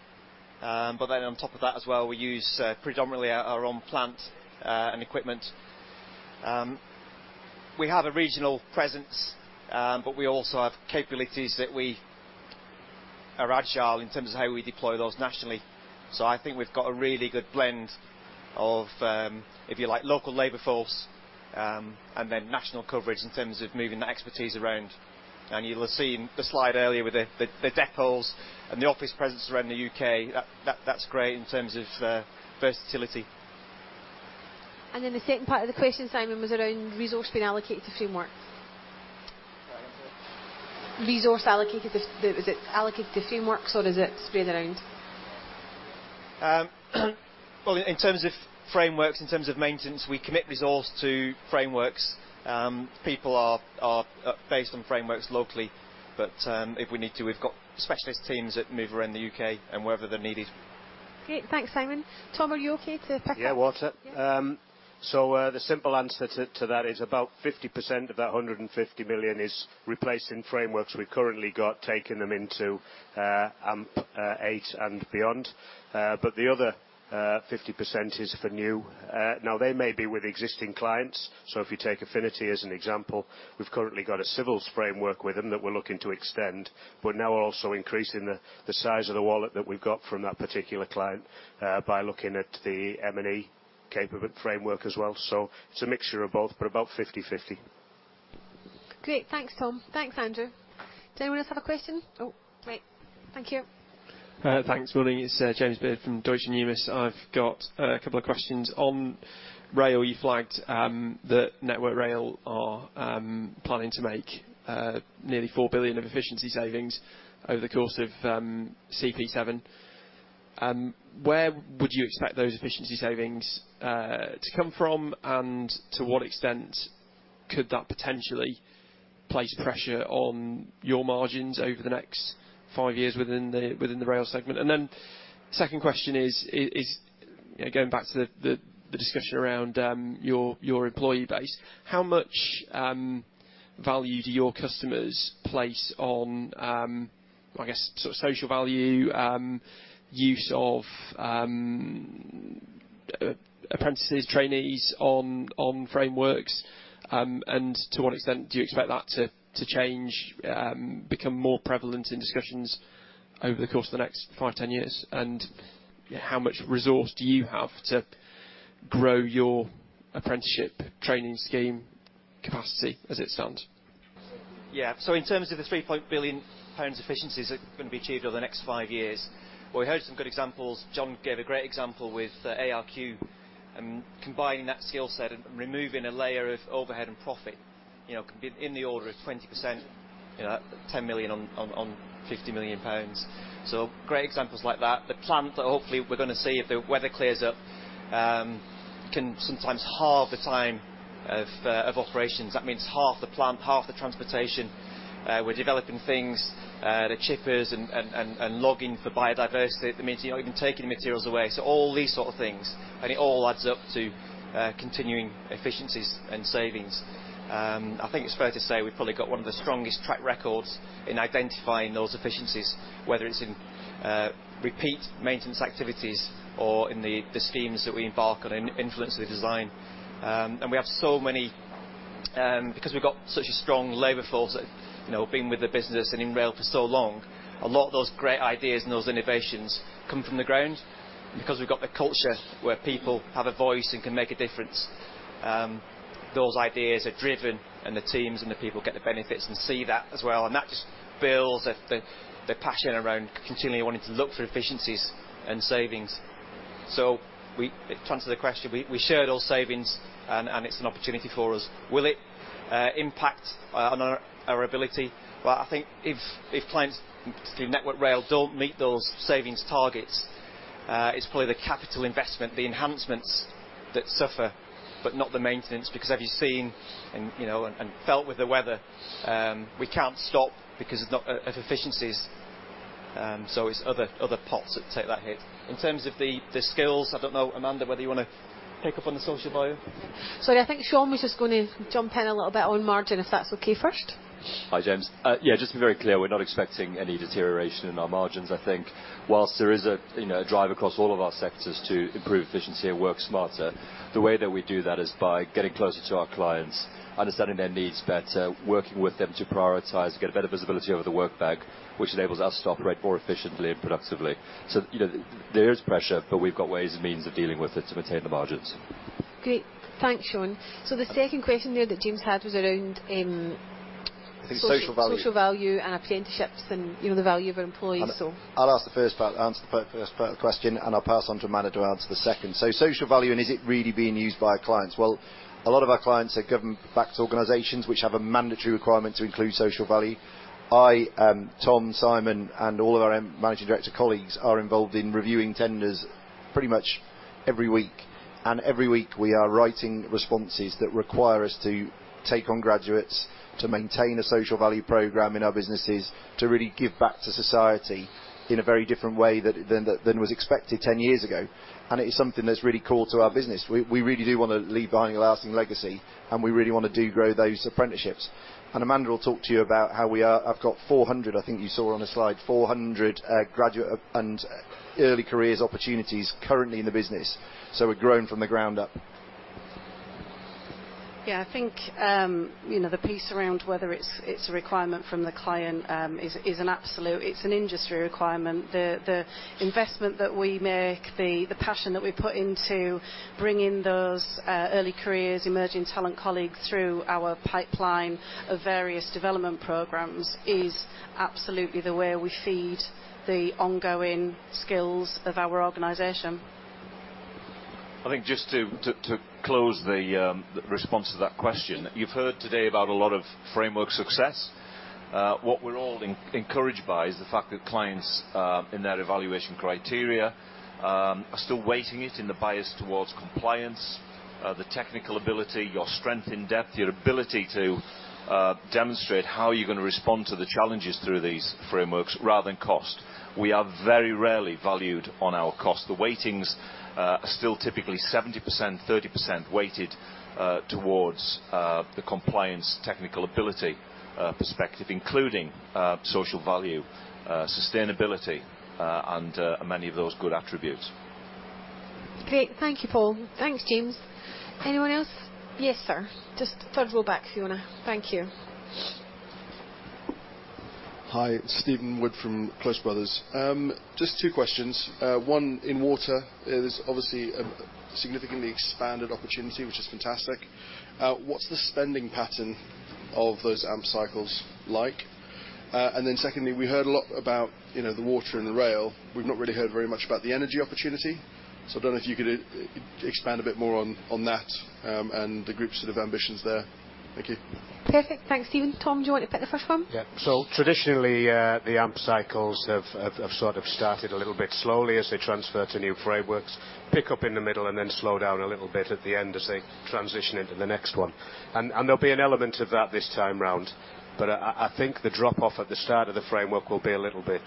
but then on top of that as well, we use predominantly our own plant and equipment. We have a regional presence, but we also have capabilities that we are agile in terms of how we deploy those nationally. So I think we've got a really good blend of, if you like, local labor force, and then national coverage in terms of moving that expertise around. And you'll have seen the slide earlier with the depots and the office presence around the U.K.. That's great in terms of versatility. And then the second part of the question, Simon, was around resource being allocated to frameworks. Sorry, again. Resource allocated to... Is it allocated to frameworks, or is it spread around? Well, in terms of frameworks, in terms of maintenance, we commit resource to frameworks. People are based on frameworks locally, but if we need to, we've got specialist teams that move around the U.K. and wherever they're needed. Great. Thanks, Simon. Tom, are you okay to pick up? Yeah, water. Yeah. So, the simple answer to, to that is about 50% of that 150 million is replacing frameworks we've currently got, taking them into AMP8 and beyond. But the other 50% is for new. Now, they may be with existing clients, so if you take Affinity as an example, we've currently got a civils framework with them that we're looking to extend, but now we're also increasing the, the size of the wallet that we've got from that particular client, by looking at the M&E capable framework as well. So it's a mixture of both, but about 50/50. Great. Thanks, Tom. Thanks, Andrew. Does anyone else have a question? Oh, great. Thank you. Thanks. Morning, it's James Brand from Deutsche Bank. I've got a couple of questions. On rail, you flagged that Network Rail are planning to make nearly 4 billion of efficiency savings over the course of CP7. Where would you expect those efficiency savings to come from, and to what extent could that potentially place pressure on your margins over the next five years within the, within the rail segment? And then second question is, is, you know, going back to the, the, the discussion around your, your employee base, how much value do your customers place on, I guess, sort of social value, use of apprentices, trainees on, on frameworks? And to what extent do you expect that to change, become more prevalent in discussions over the course of the next five, 10 years? And how much resource do you have to grow your apprenticeship training scheme?... capacity as it stands? Yeah, so in terms of the 3 billion pounds efficiencies that are going to be achieved over the next five years, well, we heard some good examples. John gave a great example with, ARQ and combining that skill set and removing a layer of overhead and profit, you know, can be in the order of 20%, you know, 10 million on 50 million pounds. So great examples like that. The plant that hopefully we're gonna see, if the weather clears up, can sometimes halve the time of operations. That means half the plant, half the transportation. We're developing things, the chippers and logging for biodiversity. It means you're not even taking the materials away. So all these sort of things, and it all adds up to continuing efficiencies and savings. I think it's fair to say we've probably got one of the strongest track records in identifying those efficiencies, whether it's in repeat maintenance activities or in the schemes that we embark on in influencing the design. And we have so many because we've got such a strong labor force that, you know, have been with the business and in rail for so long, a lot of those great ideas and those innovations come from the ground. Because we've got the culture where people have a voice and can make a difference, those ideas are driven and the teams and the people get the benefits and see that as well, and that just builds the passion around continually wanting to look for efficiencies and savings. So, to answer the question, we share those savings and it's an opportunity for us. Will it impact on our ability? Well, I think if clients, through Network Rail, don't meet those savings targets, it's probably the capital investment, the enhancements that suffer, but not the maintenance. Because as you've seen and, you know, and felt with the weather, we can't stop because of inefficiencies. So it's other pots that take that hit. In terms of the skills, I don't know, Amanda, whether you wanna pick up on the social value? Sorry, I think Sean was just going to jump in a little bit on margin, if that's okay first. Hi, James. Yeah, just to be very clear, we're not expecting any deterioration in our margins. I think while there is a, you know, a drive across all of our sectors to improve efficiency and work smarter, the way that we do that is by getting closer to our clients, understanding their needs better, working with them to prioritize, get a better visibility over the work bank, which enables us to operate more efficiently and productively. So, you know, there is pressure, but we've got ways and means of dealing with it to maintain the margins. Great. Thanks, Sean. So the second question there that James had was around, I think social value. Social value and apprenticeships and, you know, the value of our employees, so. I'll ask the first part, answer the first part of the question, and I'll pass on to Amanda to answer the second. So social value, and is it really being used by our clients? Well, a lot of our clients are government-backed organizations which have a mandatory requirement to include social value. I, Tom, Simon, and all of our managing director colleagues are involved in reviewing tenders pretty much every week, and every week, we are writing responses that require us to take on graduates, to maintain a social value program in our businesses, to really give back to society in a very different way than was expected 10 years ago. And it is something that's really core to our business. We, we really do wanna leave behind a lasting legacy, and we really wanna do grow those apprenticeships. Amanda will talk to you about how we are... I've got 400, I think you saw on a slide, 400 graduate and early careers opportunities currently in the business, so we're growing from the ground up. Yeah, I think, you know, the piece around whether it's a requirement from the client is an absolute. It's an industry requirement. The investment that we make, the passion that we put into bringing those early careers, emerging talent colleagues through our pipeline of various development programs, is absolutely the way we feed the ongoing skills of our organization. I think just to close the response to that question, you've heard today about a lot of framework success. What we're all encouraged by is the fact that clients in their evaluation criteria are still weighting it in the bias towards compliance, the technical ability, your strength in depth, your ability to demonstrate how you're gonna respond to the challenges through these frameworks rather than cost. We are very rarely valued on our cost. The weightings are still typically 70%, 30% weighted towards the compliance, technical ability perspective, including social value, sustainability, and many of those good attributes. Great. Thank you, Paul. Thanks, James. Anyone else? Yes, sir. Just third row back, if you wanna... Thank you. Hi, Stephen Wood from Close Brothers. Just two questions. One, in water, there's obviously a significantly expanded opportunity, which is fantastic. What's the spending pattern of those AMP cycles like? And then secondly, we heard a lot about, you know, the water and the rail. We've not really heard very much about the energy opportunity, so I don't know if you could expand a bit more on, on that, and the group's sort of ambitions there. Thank you. Perfect. Thanks, Stephen. Tom, do you want to take the first one? Yeah. So traditionally, the AMP cycles have sort of started a little bit slowly as they transfer to new frameworks, pick up in the middle, and then slow down a little bit at the end as they transition into the next one. And there'll be an element of that this time round, but I think the drop-off at the start of the framework will be a little bit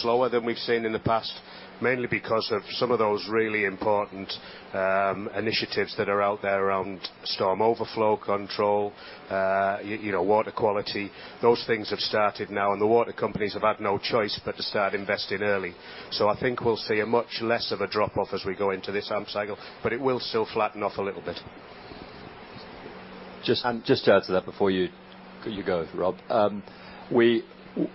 slower than we've seen in the past, mainly because of some of those really important initiatives that are out there around storm overflow control, you know, water quality. Those things have started now, and the water companies have had no choice but to start investing early. So I think we'll see a much less of a drop-off as we go into this amp cycle, but it will still flatten off a little bit. Just, and just to add to that, before you- You go, Rob.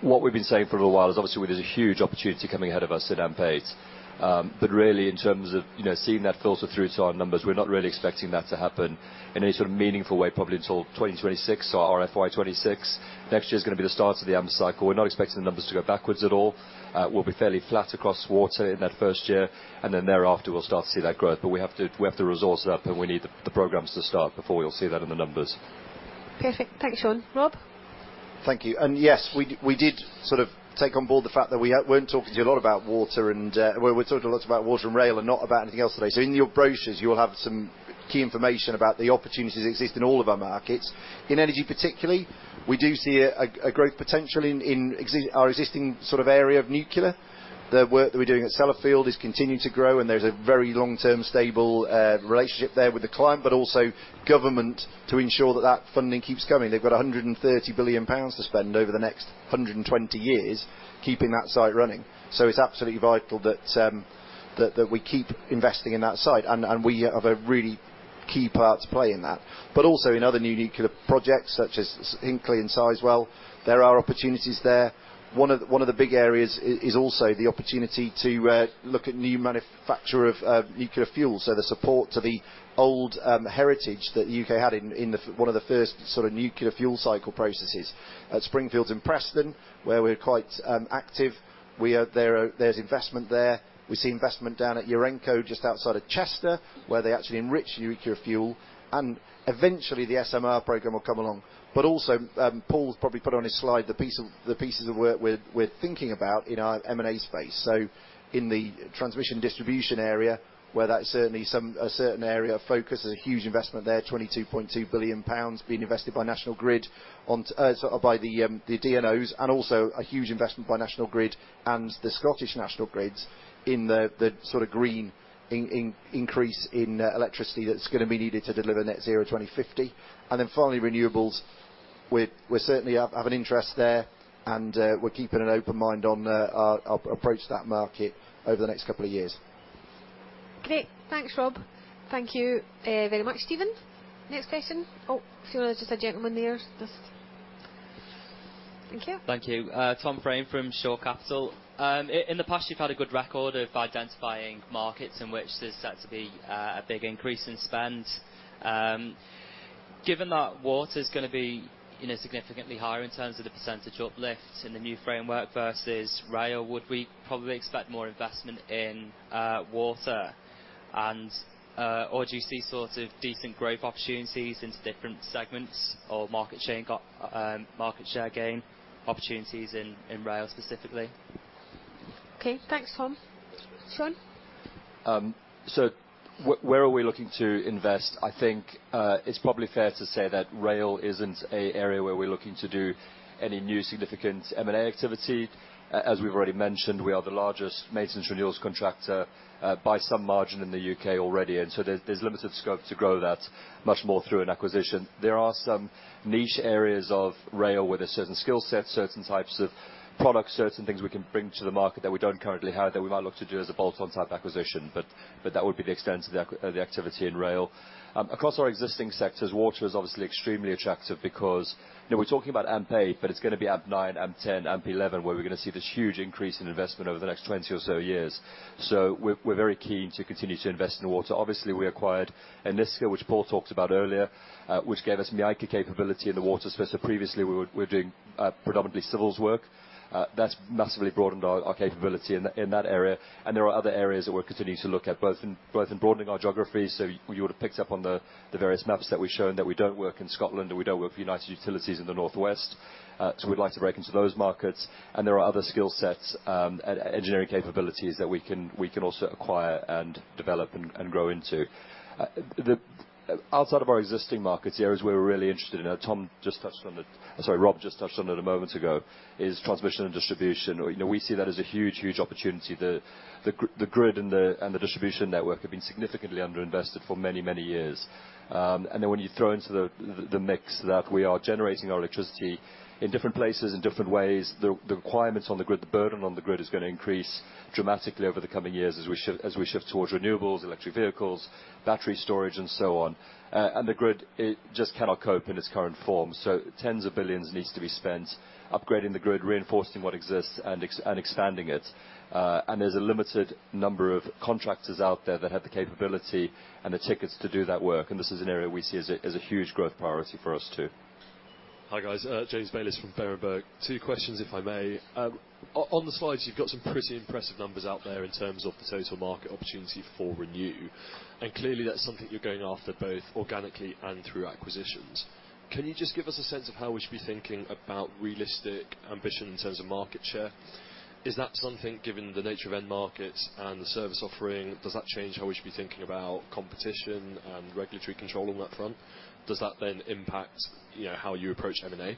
What we've been saying for a little while is obviously there's a huge opportunity coming ahead of us in AMP8. But really, in terms of, you know, seeing that filter through to our numbers, we're not really expecting that to happen in any sort of meaningful way, probably until 2026, so our FY 2026. Next year is gonna be the start of the AMP cycle. We're not expecting the numbers to go backwards at all. We'll be fairly flat across water in that first year, and then thereafter, we'll start to see that growth. But we have to, we have to resource it up, and we need the, the programs to start before you'll see that in the numbers. Perfect. Thanks, Sean. Rob? Thank you. And yes, we did sort of take on board the fact that we weren't talking to you a lot about water and well, we talked a lot about water and rail and not about anything else today. So in your brochures, you will have some key information about the opportunities that exist in all of our markets. In energy, particularly, we do see a growth potential in our existing sort of area of nuclear. The work that we're doing at Sellafield is continuing to grow, and there's a very long-term, stable relationship there with the client, but also government to ensure that that funding keeps coming. They've got 130 billion pounds to spend over the next 120 years keeping that site running. So it's absolutely vital that we keep investing in that site, and we have a really key part to play in that. But also in other new nuclear projects, such as Hinkley and Sizewell, there are opportunities there. One of the big areas is also the opportunity to look at new manufacture of nuclear fuel, so the support to the old heritage that U.K. had in one of the first sort of nuclear fuel cycle processes. At Springfields in Preston, where we're quite active, there's investment there. We see investment down at Urenco, just outside of Chester, where they actually enrich nuclear fuel, and eventually, the SMR program will come along. But also, Paul's probably put on his slide the pieces of work we're thinking about in our M&A space. So in the transmission distribution area, where that's certainly a certain area of focus, there's a huge investment there, 22.2 billion pounds being invested by National Grid on, sort of by the, the DNOs, and also a huge investment by National Grid and the Scottish National Grids in the, the sort of green increase in electricity that's gonna be needed to deliver Net Zero 2050. And then finally, renewables. We're certainly have an interest there, and, we're keeping an open mind on, our, our approach to that market over the next couple of years. Great. Thanks, Rob. Thank you, very much. Stephen, next question? Oh, see there's just a gentleman there. Just... Thank you. Thank you. Tom Fraine from Shore Capital. In the past, you've had a good record of identifying markets in which there's set to be a big increase in spend. Given that water's gonna be, you know, significantly higher in terms of the percentage uplift in the new framework versus rail, would we probably expect more investment in water? And, or do you see sorts of decent growth opportunities into different segments or market share, market share gain opportunities in rail, specifically? Okay, thanks, Tom. Sean? So where are we looking to invest? I think it's probably fair to say that rail isn't an area where we're looking to do any new significant M&A activity. As we've already mentioned, we are the largest maintenance renewals contractor by some margin in the U.K. already, and so there's limited scope to grow that much more through an acquisition. There are some niche areas of rail where there's certain skill sets, certain types of products, certain things we can bring to the market that we don't currently have, that we might look to do as a bolt-on type acquisition, but that would be the extent of the activity in rail. Across our existing sectors, water is obviously extremely attractive because, you know, we're talking about AMP8, but it's gonna be AMP9, AMP10, AMP11, where we're gonna see this huge increase in investment over the next 20 or so years. So we're very keen to continue to invest in water. Obviously, we acquired Enisca, which Paul talked about earlier, which gave us some MEICA capability in the water space. So previously, we were doing predominantly civils work. That's massively broadened our capability in that area, and there are other areas that we're continuing to look at, both in broadening our geography, so you would have picked up on the various maps that we've shown, that we don't work in Scotland, and we don't work for United Utilities in the Northwest. So we'd like to break into those markets, and there are other skill sets and engineering capabilities that we can also acquire and develop and grow into. Outside of our existing markets, the areas we're really interested in, Tom just touched on it - sorry, Rob just touched on it a moment ago, is transmission and distribution, or, you know, we see that as a huge, huge opportunity. The grid and the distribution network have been significantly underinvested for many, many years. And then when you throw into the mix that we are generating our electricity in different places, in different ways, the requirements on the grid, the burden on the grid is gonna increase dramatically over the coming years as we shift towards renewables, electric vehicles, battery storage, and so on. And the grid, it just cannot cope in its current form. So tens of billions GBP needs to be spent upgrading the grid, reinforcing what exists, and expanding it. And there's a limited number of contractors out there that have the capability and the tickets to do that work, and this is an area we see as a huge growth priority for us, too. Hi, guys. James Bayliss from Berenberg. Two questions, if I may. On the slides, you've got some pretty impressive numbers out there in terms of the total market opportunity for Renew, and clearly, that's something you're going after both organically and through acquisitions. Can you just give us a sense of how we should be thinking about realistic ambition in terms of market share? Is that something, given the nature of end markets and the service offering, does that change how we should be thinking about competition and regulatory control on that front? Does that then impact, you know, how you approach M&A?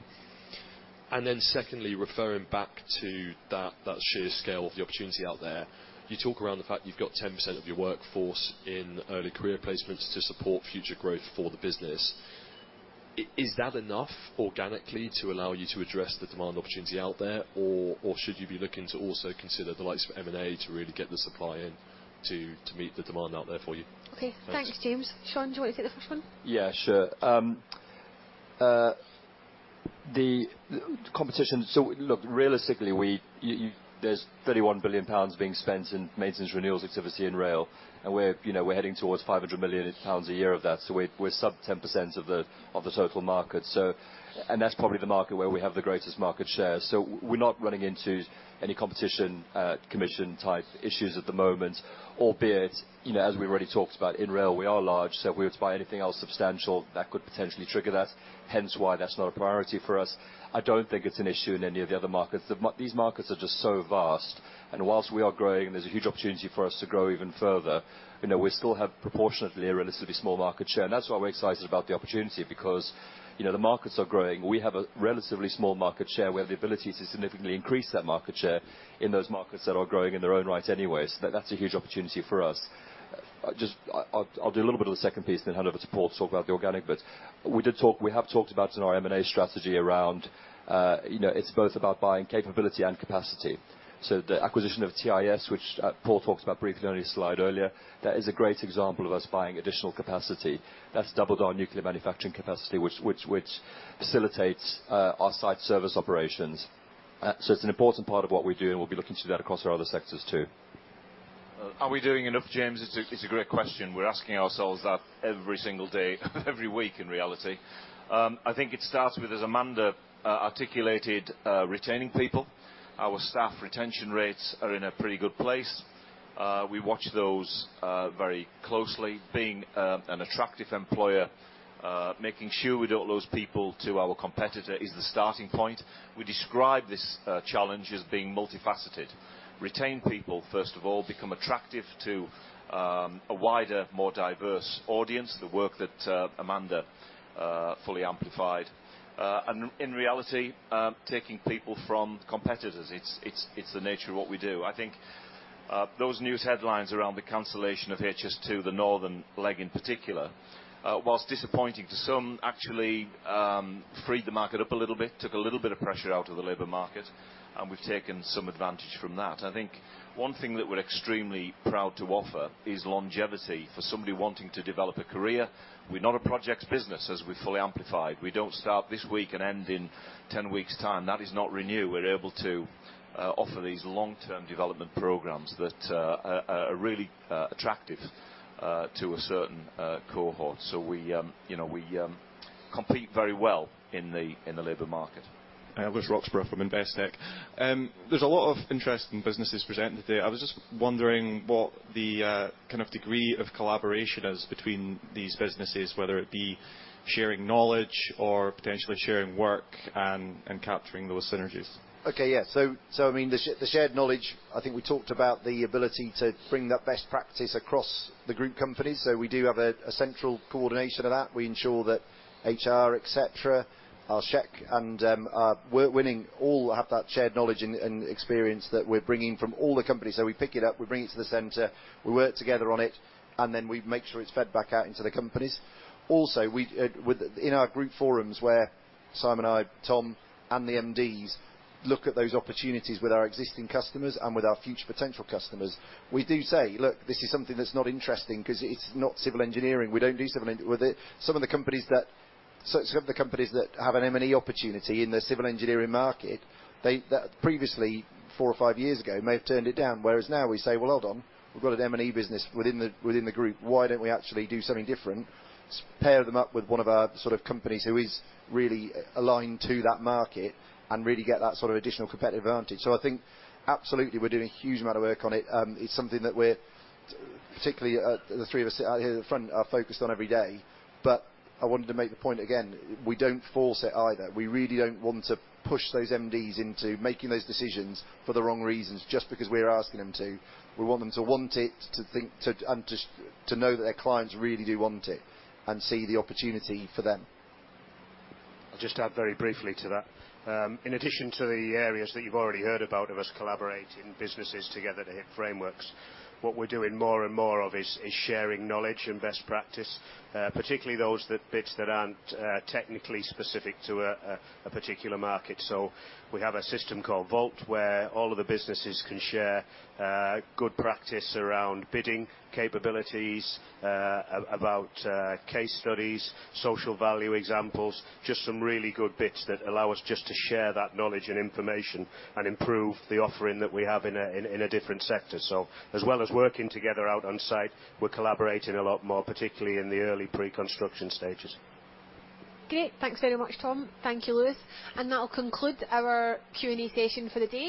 And then secondly, referring back to that, that sheer scale of the opportunity out there, you talk around the fact you've got 10% of your workforce in early career placements to support future growth for the business. Is that enough organically to allow you to address the demand opportunity out there, or, or should you be looking to also consider the likes of M&A to really get the supply in to, to meet the demand out there for you? Okay. Thanks, James. Sean, do you want to take the first one? Yeah, sure. The competition, so look, realistically, we-- there's 31 billion pounds being spent in maintenance renewals activity in rail, and we're, you know, we're heading towards 500 million pounds a year of that, so we're sub 10% of the total market. So and that's probably the market where we have the greatest market share. So we're not running into any Competition Commission-type issues at the moment, albeit, you know, as we already talked about, in rail, we are large, so if we were to buy anything else substantial, that could potentially trigger that, hence why that's not a priority for us. I don't think it's an issue in any of the other markets. These markets are just so vast, and while we are growing, there's a huge opportunity for us to grow even further. You know, we still have proportionately a relatively small market share, and that's why we're excited about the opportunity, because, you know, the markets are growing. We have a relatively small market share. We have the ability to significantly increase that market share in those markets that are growing in their own right anyways. That's a huge opportunity for us. Just, I'll do a little bit of the second piece and then hand over to Paul to talk about the organic bit. We have talked about in our M&A strategy around, you know, it's both about buying capability and capacity. So the acquisition of TIS, which Paul talked about briefly in only a slide earlier, that is a great example of us buying additional capacity. That's doubled our nuclear manufacturing capacity, which facilitates our site service operations. It's an important part of what we do, and we'll be looking to do that across our other sectors, too. Are we doing enough, James? It's a great question. We're asking ourselves that every single day, every week, in reality. I think it starts with, as Amanda articulated, retaining people. Our staff retention rates are in a pretty good place. We watch those very closely. Being an attractive employer, making sure we don't lose people to our competitor is the starting point. We describe this challenge as being multifaceted. Retain people, first of all, become attractive to a wider, more diverse audience, the work that Amanda fully amplified. And in reality, taking people from competitors, it's the nature of what we do. I think, those news headlines around the cancellation of HS2, the northern leg in particular, whilst disappointing to some, actually, freed the market up a little bit, took a little bit of pressure out of the labor market, and we've taken some advantage from that. I think one thing that we're extremely proud to offer is longevity. For somebody wanting to develop a career, we're not a projects business, as we fully amplified. We don't start this week and end in 10 weeks' time. That is not Renew. We're able to offer these long-term development programs that are really attractive to a certain cohort. So we, you know, we, compete very well in the, in the labor market. Lewis Roxburgh from Investec. There's a lot of interesting businesses presented today. I was just wondering what the kind of degree of collaboration is between these businesses, whether it be sharing knowledge or potentially sharing work and capturing those synergies. Okay, yeah. So, I mean, the shared knowledge, I think we talked about the ability to bring that best practice across the group companies, so we do have a central coordination of that. We ensure that HR, et cetera, our SHEQ and our work winning all have that shared knowledge and experience that we're bringing from all the companies. So we pick it up, we bring it to the center, we work together on it, and then we make sure it's fed back out into the companies. Also, within our group forums, where Simon, I, Tom, and the MDs look at those opportunities with our existing customers and with our future potential customers, we do say, "Look, this is something that's not interesting because it's not civil engineering. We don't do civil engineering." With it, some of the companies that have an M&E opportunity in the civil engineering market, that previously, four or five years ago, may have turned it down. Whereas now we say, "Well, hold on, we've got an M&E business within the group. Why don't we actually do something different, pair them up with one of our sort of companies who is really aligned to that market and really get that sort of additional competitive advantage?" So I think, absolutely, we're doing a huge amount of work on it. It's something that we're, particularly, the three of us sit out here at the front, are focused on every day. But I wanted to make the point again, we don't force it either. We really don't want to push those MDs into making those decisions for the wrong reasons, just because we're asking them to. We want them to want it, to think, and to know that their clients really do want it and see the opportunity for them. I'll just add very briefly to that. In addition to the areas that you've already heard about of us collaborating businesses together to hit frameworks, what we're doing more and more of is sharing knowledge and best practice, particularly those bits that aren't technically specific to a particular market. So we have a system called Vault, where all of the businesses can share good practice around bidding capabilities, about case studies, social value examples, just some really good bits that allow us just to share that knowledge and information and improve the offering that we have in a different sector. So as well as working together out on site, we're collaborating a lot more, particularly in the early pre-construction stages. Great. Thanks very much, Tom. Thank you, Lewis. That'll conclude our Q&A session for the day.